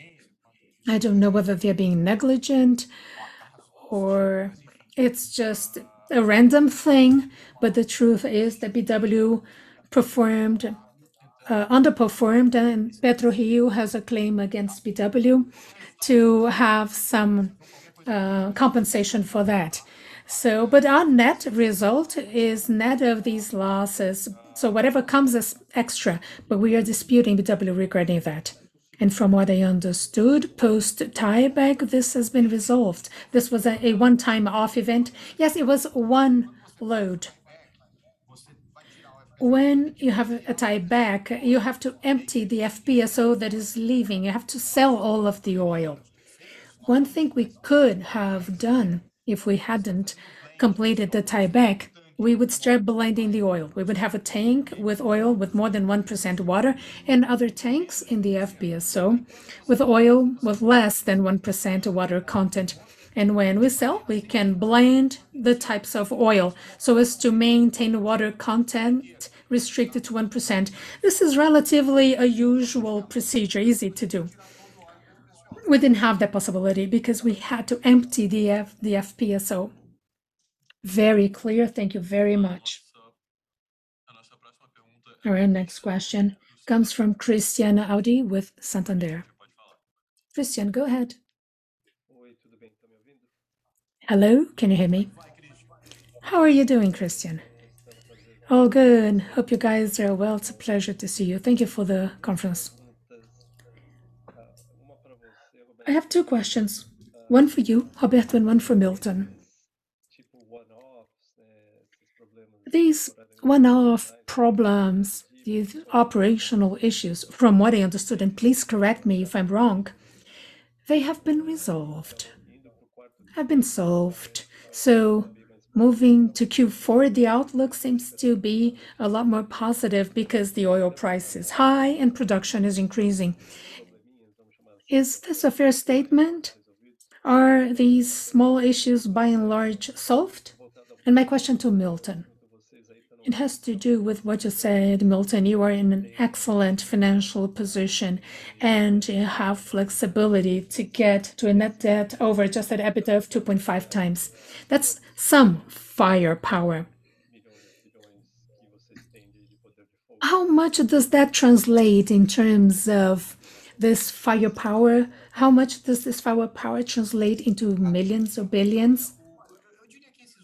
I don't know whether they're being negligent or it's just a random thing, but the truth is that BW underperformed, and PetroRio has a claim against BW to have some compensation for that. Our net result is net of these losses. Whatever comes is extra. We are disputing BW regarding that. From what I understood, post tieback, this has been resolved. This was a one-time off event. Yes, it was one load. When you have a tieback, you have to empty the FPSO that is leaving. You have to sell all of the oil. One thing we could have done if we hadn't completed the tieback, we would start blending the oil. We would have a tank with oil with more than 1% water and other tanks in the FPSO with oil with less than 1% water content. When we sell, we can blend the types of oil so as to maintain water content restricted to 1%. This is relatively a usual procedure, easy to do. We didn't have that possibility because we had to empty the FPSO. Very clear. Thank you very much. Our next question comes from Christian Audi with Santander. Christian, go ahead. Hello, can you hear me? How are you doing, Christian? All good. Hope you guys are well. It's a pleasure to see you. Thank you for the conference. I have two questions, one for you, Roberto, and one for Milton. These one-off problems, these operational issues, from what I understood, and please correct me if I'm wrong, they have been resolved. Have been solved. Moving to Q4, the outlook seems to be a lot more positive because the oil price is high and production is increasing. Is this a fair statement? Are these small issues by and large solved? My question to Milton, it has to do with what you said, Milton, you are in an excellent financial position, and you have flexibility to get to a net debt over adjusted EBITDA of 2.5 times. That's some firepower. How much does that translate in terms of this firepower? How much does this firepower translate into millions or billions?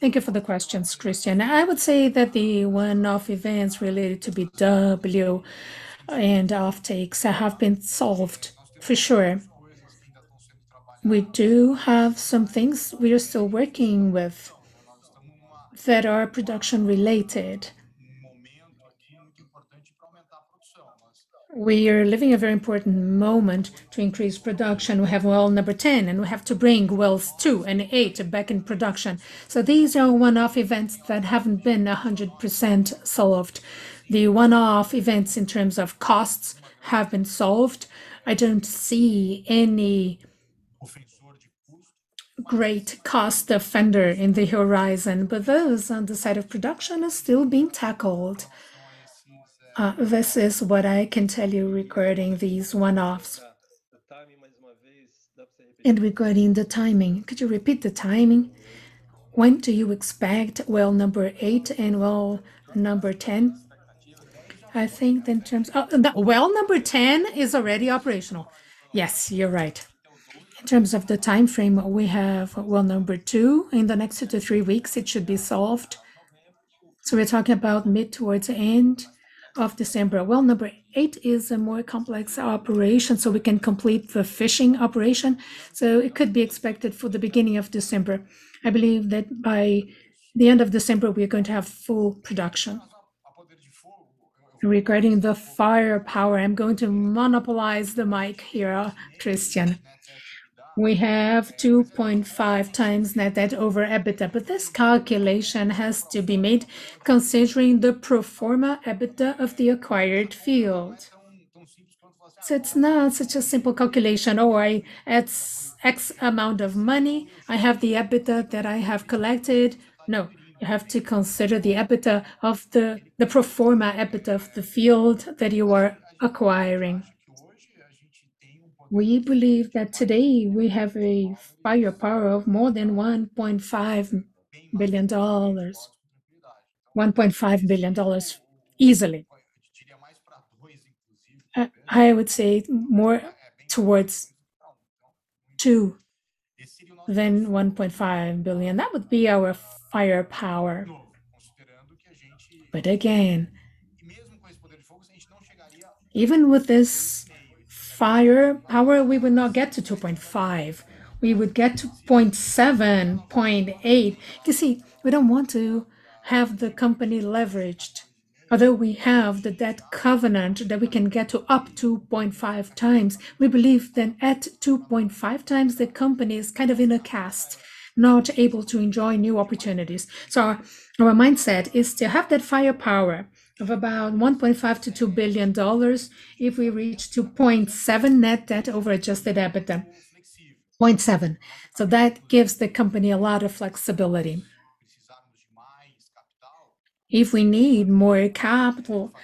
Thank you for the questions, Christian. I would say that the one-off events related to BW and offtakes have been solved for sure. We do have some things we are still working with that are production related. We are living a very important moment to increase production. We have well number 10, and we have to bring wells 2 and 8 back in production. These are one-off events that haven't been 100% solved. The one-off events in terms of costs have been solved. I don't see any great cost overrun in the horizon, but those on the side of production are still being tackled. This is what I can tell you regarding these one-offs. Regarding the timing, could you repeat the timing? When do you expect well number 8 and well number 10? Oh, the well number 10 is already operational. Yes, you're right. In terms of the timeframe, we have well number 2 in the next 2-3 weeks. It should be solved. We're talking about mid toward end of December. Well number 8 is a more complex operation, so we can complete the fishing operation. It could be expected for the beginning of December. I believe that by the end of December, we are going to have full production. Regarding the firepower, I'm going to monopolize the mic here, Christian. We have 2.5 times net debt over EBITDA, but this calculation has to be made considering the pro forma EBITDA of the acquired field. It's not such a simple calculation or it's X amount of money, I have the EBITDA that I have collected. No, you have to consider the pro forma EBITDA of the field that you are acquiring. We believe that today we have a firepower of more than $1.5 billion. $1.5 billion easily. I would say more towards 2 than $1.5 billion. That would be our firepower. Again, even with this firepower, we will not get to 2.5. We would get to 0.7-0.8. You see, we don't want to have the company leveraged. Although we have the debt covenant that we can get to up to 0.5 times, we believe that at 2.5 times, the company is kind of in a cast, not able to enjoy new opportunities. Our mindset is to have that firepower of about $1.5-$2 billion if we reach 2.7 net debt over adjusted EBITDA. 0.7. That gives the company a lot of flexibility. If we need more capital,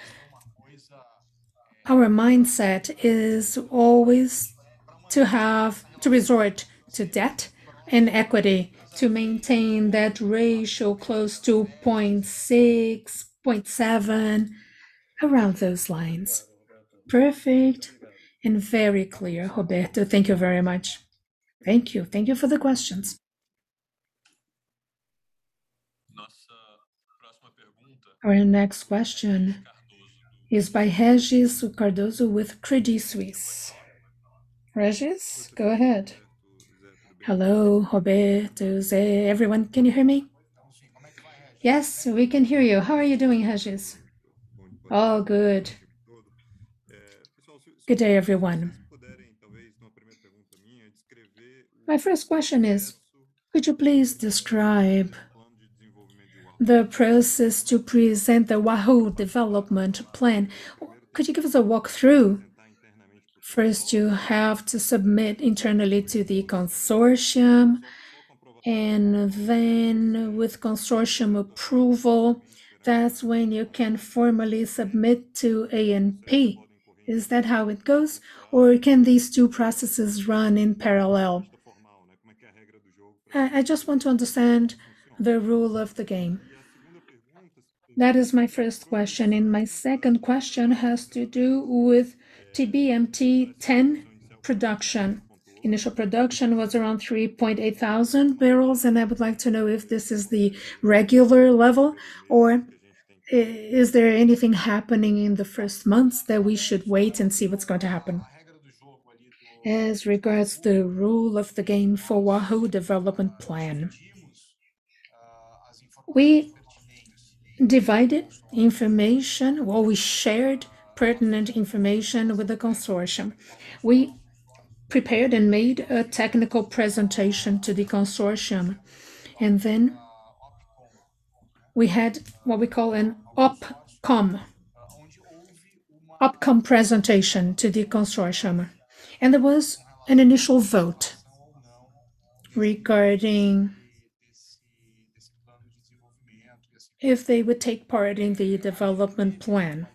our mindset is always to have to resort to debt and equity to maintain that ratio close to 0.6, 0.7, around those lines. Perfect and very clear, Roberto. Thank you very much. Thank you. Thank you for the questions. Our next question is by Regis Cardoso with Credit Suisse. Regis, go ahead. Hello, Roberto, José, everyone. Can you hear me? Yes, we can hear you. How are you doing, Regis? All good. Good day, everyone. My first question is, could you please describe the process to present the Wahoo development plan? Could you give us a walk through? First you have to submit internally to the consortium, and then with consortium approval, that's when you can formally submit to ANP. Is that how it goes? Or can these two processes run in parallel? I just want to understand the rule of the game. That is my first question. My second question has to do with TBMT-10 production. Initial production was around 3,800 barrels, and I would like to know if this is the regular level or is there anything happening in the first months that we should wait and see what's going to happen? As regards the rule of the game for Wahoo development plan, we divulged information while we shared pertinent information with the consortium. We prepared and made a technical presentation to the consortium, and then we had what we call an OPCOM. OPCOM presentation to the consortium. There was an initial vote regarding if they would take part in the development plan.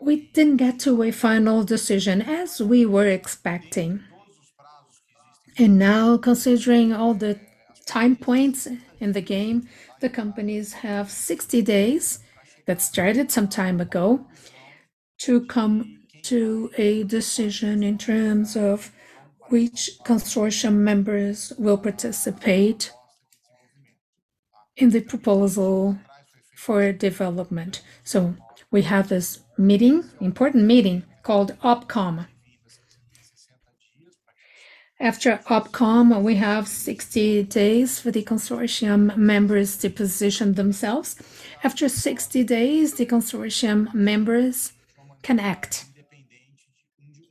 We didn't get to a final decision as we were expecting. Now, considering all the time points in the game, the companies have 60 days, that started some time ago, to come to a decision in terms of which consortium members will participate in the proposal for development. We have this meeting, important meeting, called OPCOM. After OPCOM, we have 60 days for the consortium members to position themselves. After 60 days, the consortium members can act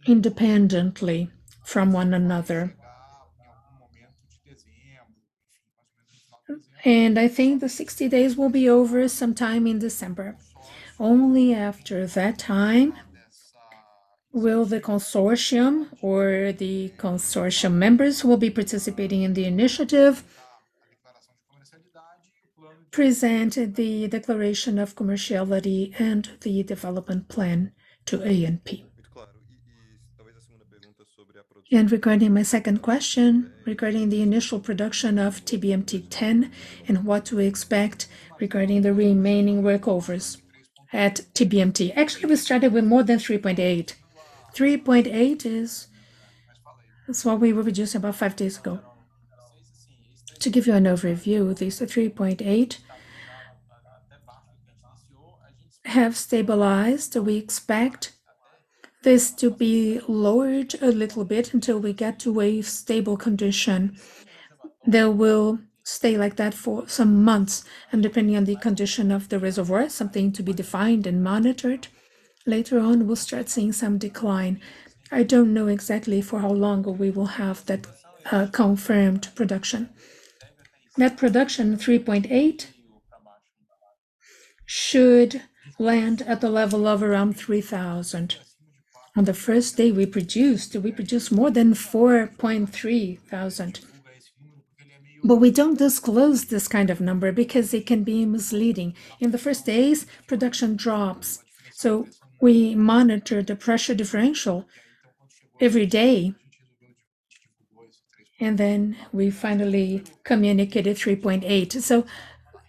independently from one another. I think the 60 days will be over sometime in December. Only after that time will the consortium or the consortium members who will be participating in the initiative present the declaration of commerciality and the development plan to ANP. Regarding my second question, regarding the initial production of TBMT-10 and what to expect regarding the remaining workovers at TBMT. Actually, we started with more than 3.8. 3.8 is what we were producing about 5 days ago. To give you an overview, these 3.8 have stabilized. We expect this to be lowered a little bit until we get to a stable condition. They will stay like that for some months, and depending on the condition of the reservoir, something to be defined and monitored. Later on, we'll start seeing some decline. I don't know exactly for how long we will have that, confirmed production. Net production 3.8 should land at the level of around 3,000. On the first day we produced more than 4.3 thousand. But we don't disclose this kind of number because it can be misleading. In the first days, production drops, so we monitor the pressure differential every day, and then we finally communicated 3.8.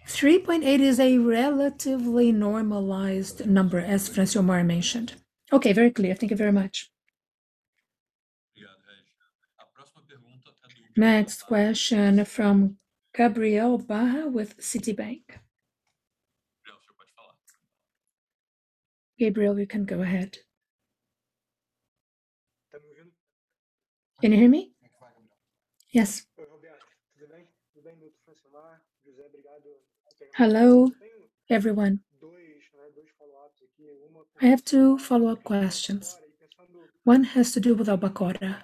3.8 is a relatively normalized number, as Francilmar mentioned. Okay, very clear. Thank you very much. Next question from Gabriel Barra with Citibank. Gabriel, you can go ahead. Can you hear me? Yes. Hello, everyone. I have two follow-up questions. One has to do with Albacora.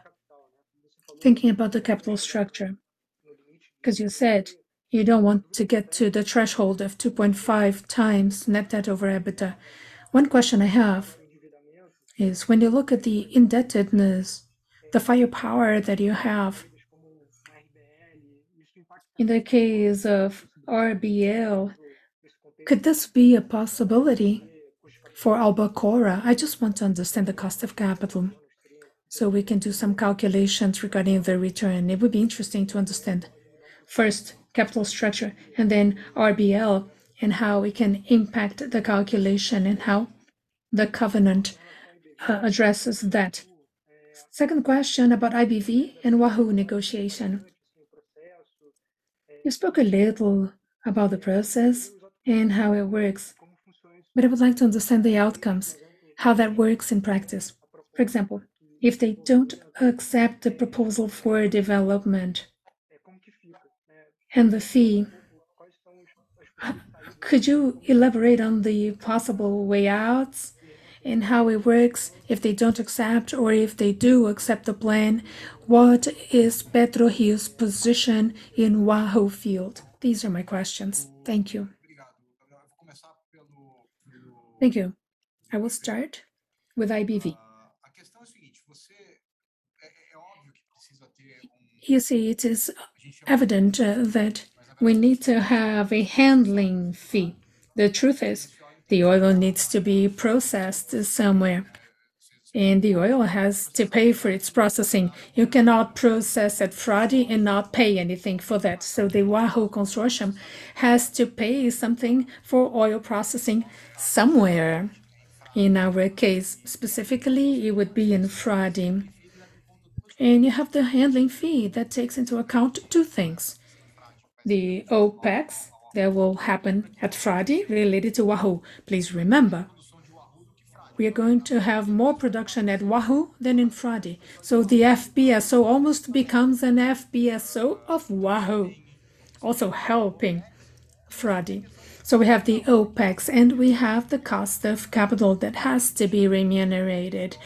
Thinking about the capital structure, 'cause you said you don't want to get to the threshold of 2.5 times net debt over EBITDA. One question I have is when you look at the indebtedness, the firepower that you have in the case of RBL, could this be a possibility for Albacora? I just want to understand the cost of capital, so we can do some calculations regarding the return. It would be interesting to understand first capital structure and then RBL and how it can impact the calculation and how the covenant addresses that. Second question about IBV and Wahoo negotiation. You spoke a little about the process and how it works, but I would like to understand the outcomes, how that works in practice. For example, if they don't accept the proposal for development and the fee, could you elaborate on the possible ways out and how it works if they don't accept or if they do accept the plan, what is PetroRio's position in Wahoo field? These are my questions. Thank you. Thank you. I will start with IBV. You see, it is evident that we need to have a handling fee. The truth is, the oil needs to be processed somewhere, and the oil has to pay for its processing. You cannot process at Frade and not pay anything for that. So the Wahoo consortium has to pay something for oil processing somewhere. In our case, specifically, it would be in Frade. You have the handling fee that takes into account two things, the OpEx that will happen at Frade related to Wahoo. Please remember, we are going to have more production at Wahoo than in Frade. The FPSO almost becomes an FPSO of Wahoo, also helping Frade. We have the OpEx, and we have the cost of capital that has to be remunerated.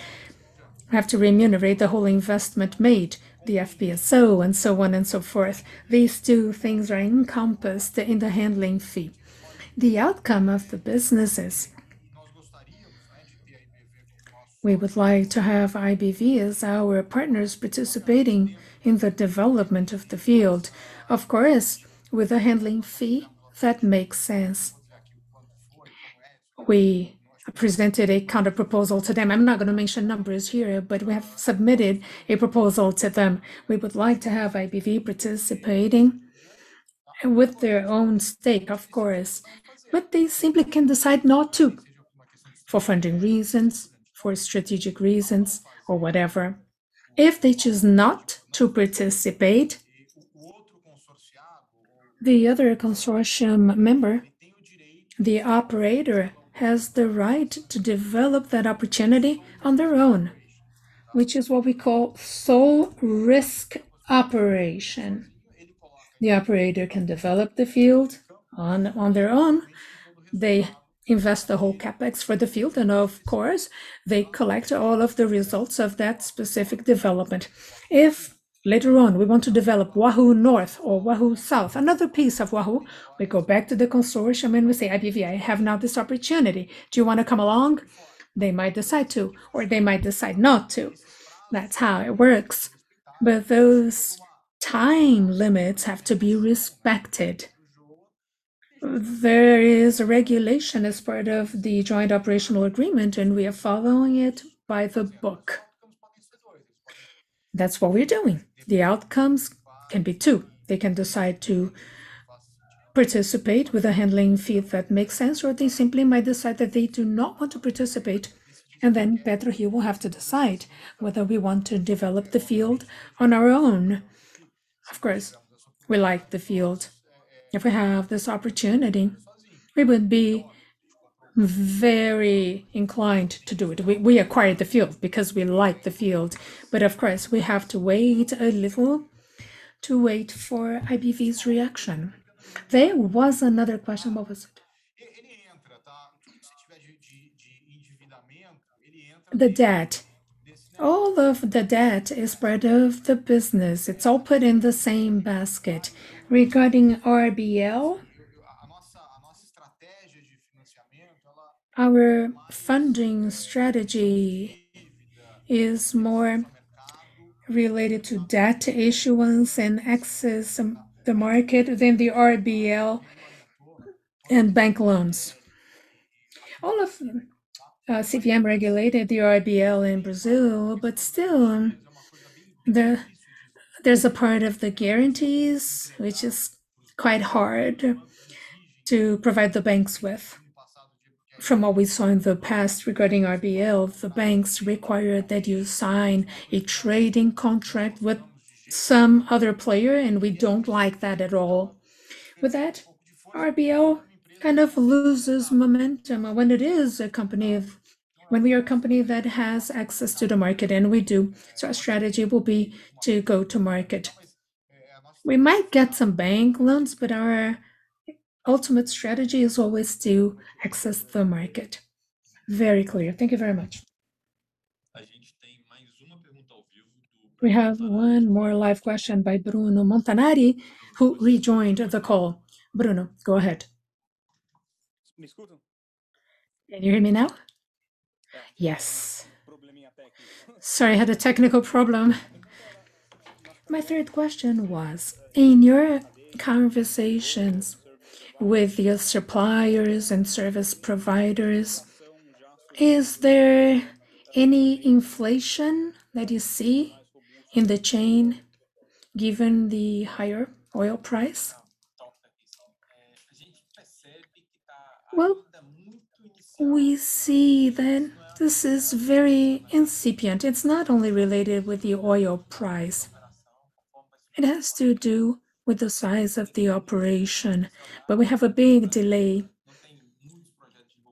We have to remunerate the whole investment made, the FPSO and so on and so forth. These two things are encompassed in the handling fee. The outcome of the business is we would like to have IBV as our partners participating in the development of the field. Of course, with a handling fee that makes sense. We presented a counter proposal to them. I'm not gonna mention numbers here, but we have submitted a proposal to them. We would like to have IBV participating with their own stake, of course, but they simply can decide not to for funding reasons, for strategic reasons or whatever. If they choose not to participate, the other consortium member, the operator, has the right to develop that opportunity on their own, which is what we call sole risk operation. The operator can develop the field on their own. They invest the whole CapEx for the field, and of course, they collect all of the results of that specific development. If later on we want to develop Wahoo North or Wahoo South, another piece of Wahoo, we go back to the consortium and we say, "IBV, I have now this opportunity. Do you wanna come along?" They might decide to or they might decide not to. That's how it works. Those time limits have to be respected. There is a regulation as part of the Joint Operating Agreement, and we are following it by the book. That's what we're doing. The outcomes can be two. They can decide to participate with a handling fee that makes sense, or they simply might decide that they do not want to participate, and then PetroRio will have to decide whether we want to develop the field on our own. Of course, we like the field. If we have this opportunity, we would be very inclined to do it. We acquired the field because we like the field, but of course, we have to wait a little for IBV's reaction. There was another question, Maurício. The debt. All of the debt is part of the business. It's all put in the same basket. Regarding RBL, our funding strategy is more related to debt issuance and access to the market than the RBL and bank loans. All of them. CVM regulates the RBL in Brazil, but still, there's a part of the guarantees which is quite hard to provide the banks with. From what we saw in the past regarding RBL, the banks require that you sign a trading contract with some other player, and we don't like that at all. With that, RBL kind of loses momentum. When we are a company that has access to the market, and we do, so our strategy will be to go to market. We might get some bank loans, but our ultimate strategy is always to access the market. Very clear. Thank you very much. We have one more live question by Bruno Montanari, who re-joined the call. Bruno, go ahead. Can you hear me now? Yes. Sorry, I had a technical problem. My third question was, in your conversations with your suppliers and service providers, is there any inflation that you see in the chain given the higher oil price? Well, we see that this is very incipient. It's not only related with the oil price. It has to do with the size of the operation. We have a big delay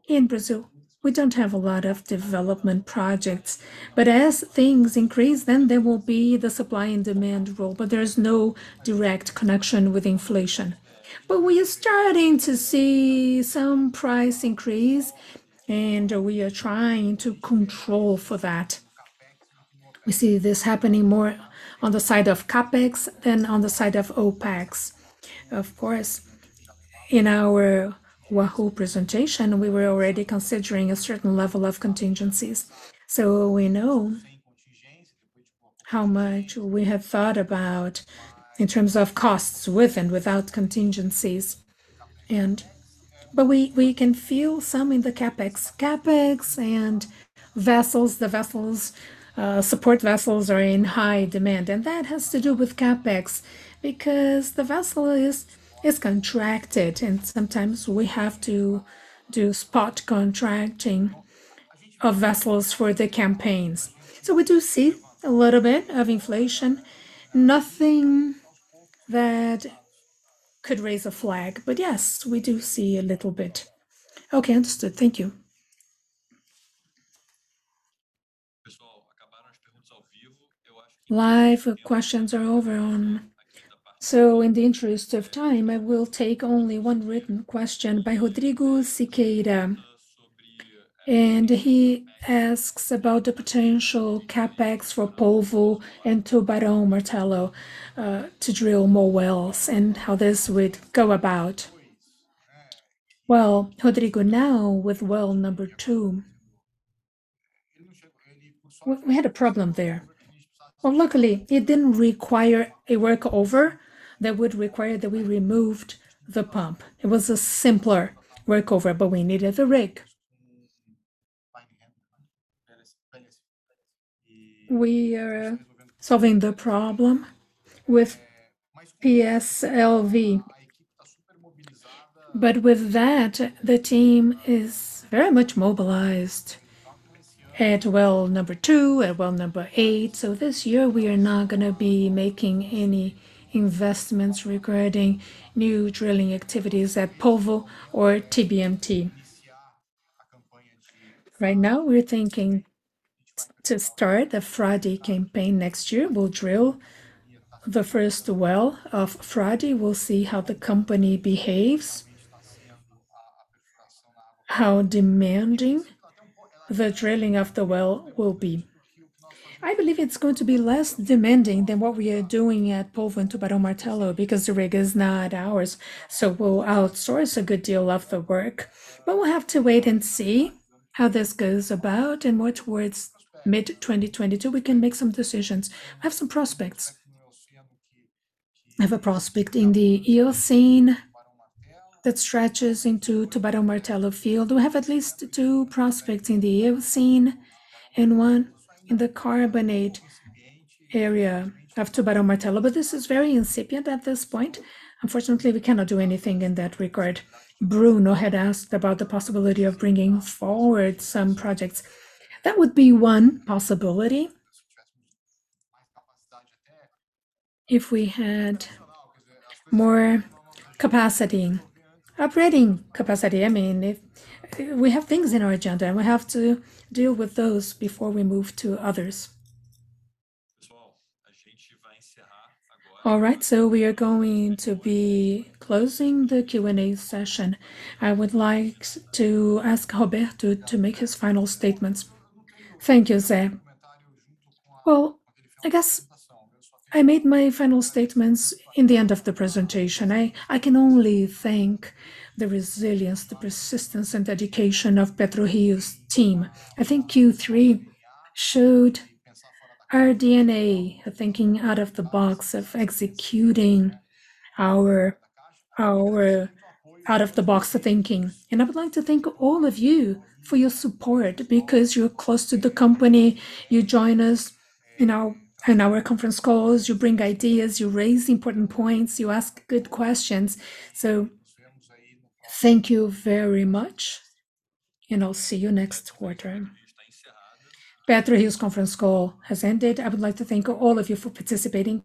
in Brazil. We don't have a lot of development projects. As things increase, then there will be the supply and demand rule, but there is no direct connection with inflation. We are starting to see some price increase, and we are trying to control for that. We see this happening more on the side of CapEx than on the side of OpEx. Of course, in our Wahoo presentation, we were already considering a certain level of contingencies, so we know how much we have thought about in terms of costs with and without contingencies. But we can feel some in the CapEx. CapEx and vessels, support vessels are in high demand, and that has to do with CapEx because the vessel is contracted and sometimes we have to do spot contracting of vessels for the campaigns. We do see a little bit of inflation. Nothing that could raise a flag. Yes, we do see a little bit. Okay, understood. Thank you. Live questions are over now. In the interest of time, I will take only one written question by Rodrigo Siqueira. He asks about the potential CapEx for Polvo and Tubarão Martelo, to drill more wells and how this would go about. Well, Rodrigo, now with well number two, we had a problem there. Well, luckily, it didn't require a workover that would require that we removed the pump. It was a simpler workover, but we needed a rig. We are solving the problem with PLSV. But with that, the team is very much mobilized at well number two and well number eight, so this year we are not gonna be making any investments regarding new drilling activities at Polvo or TBMT. Right now, we're thinking to start a Frade campaign next year. We'll drill the first well of Frade. We'll see how the company behaves, how demanding the drilling of the well will be. I believe it's going to be less demanding than what we are doing at Polvo and Tubarão Martelo because the rig is not ours, so we'll outsource a good deal of the work. We'll have to wait and see how this goes about, and towards mid-2022 we can make some decisions. We have some prospects. We have a prospect in the Eocene that stretches into Tubarão Martelo field. We have at least two prospects in the Eocene and one in the carbonate area of Tubarão Martelo, but this is very incipient at this point. Unfortunately, we cannot do anything in that regard. Bruno had asked about the possibility of bringing forward some projects. That would be one possibility if we had more capacity, operating capacity, I mean. If we have things in our agenda, and we have to deal with those before we move to others. All right. We are going to be closing the Q&A session. I would like to ask Roberto to make his final statements. Thank you, José. Well, I guess I made my final statements in the end of the presentation. I can only thank the resilience, the persistence, and dedication of PetroRio's team. I think Q3 showed our DNA of thinking out of the box, of executing our out-of-the-box thinking. I would like to thank all of you for your support because you're close to the company. You join us in our conference calls. You bring ideas. You raise important points. You ask good questions. Thank you very much, and I'll see you next quarter. PetroRio's conference call has ended. I would like to thank all of you for participating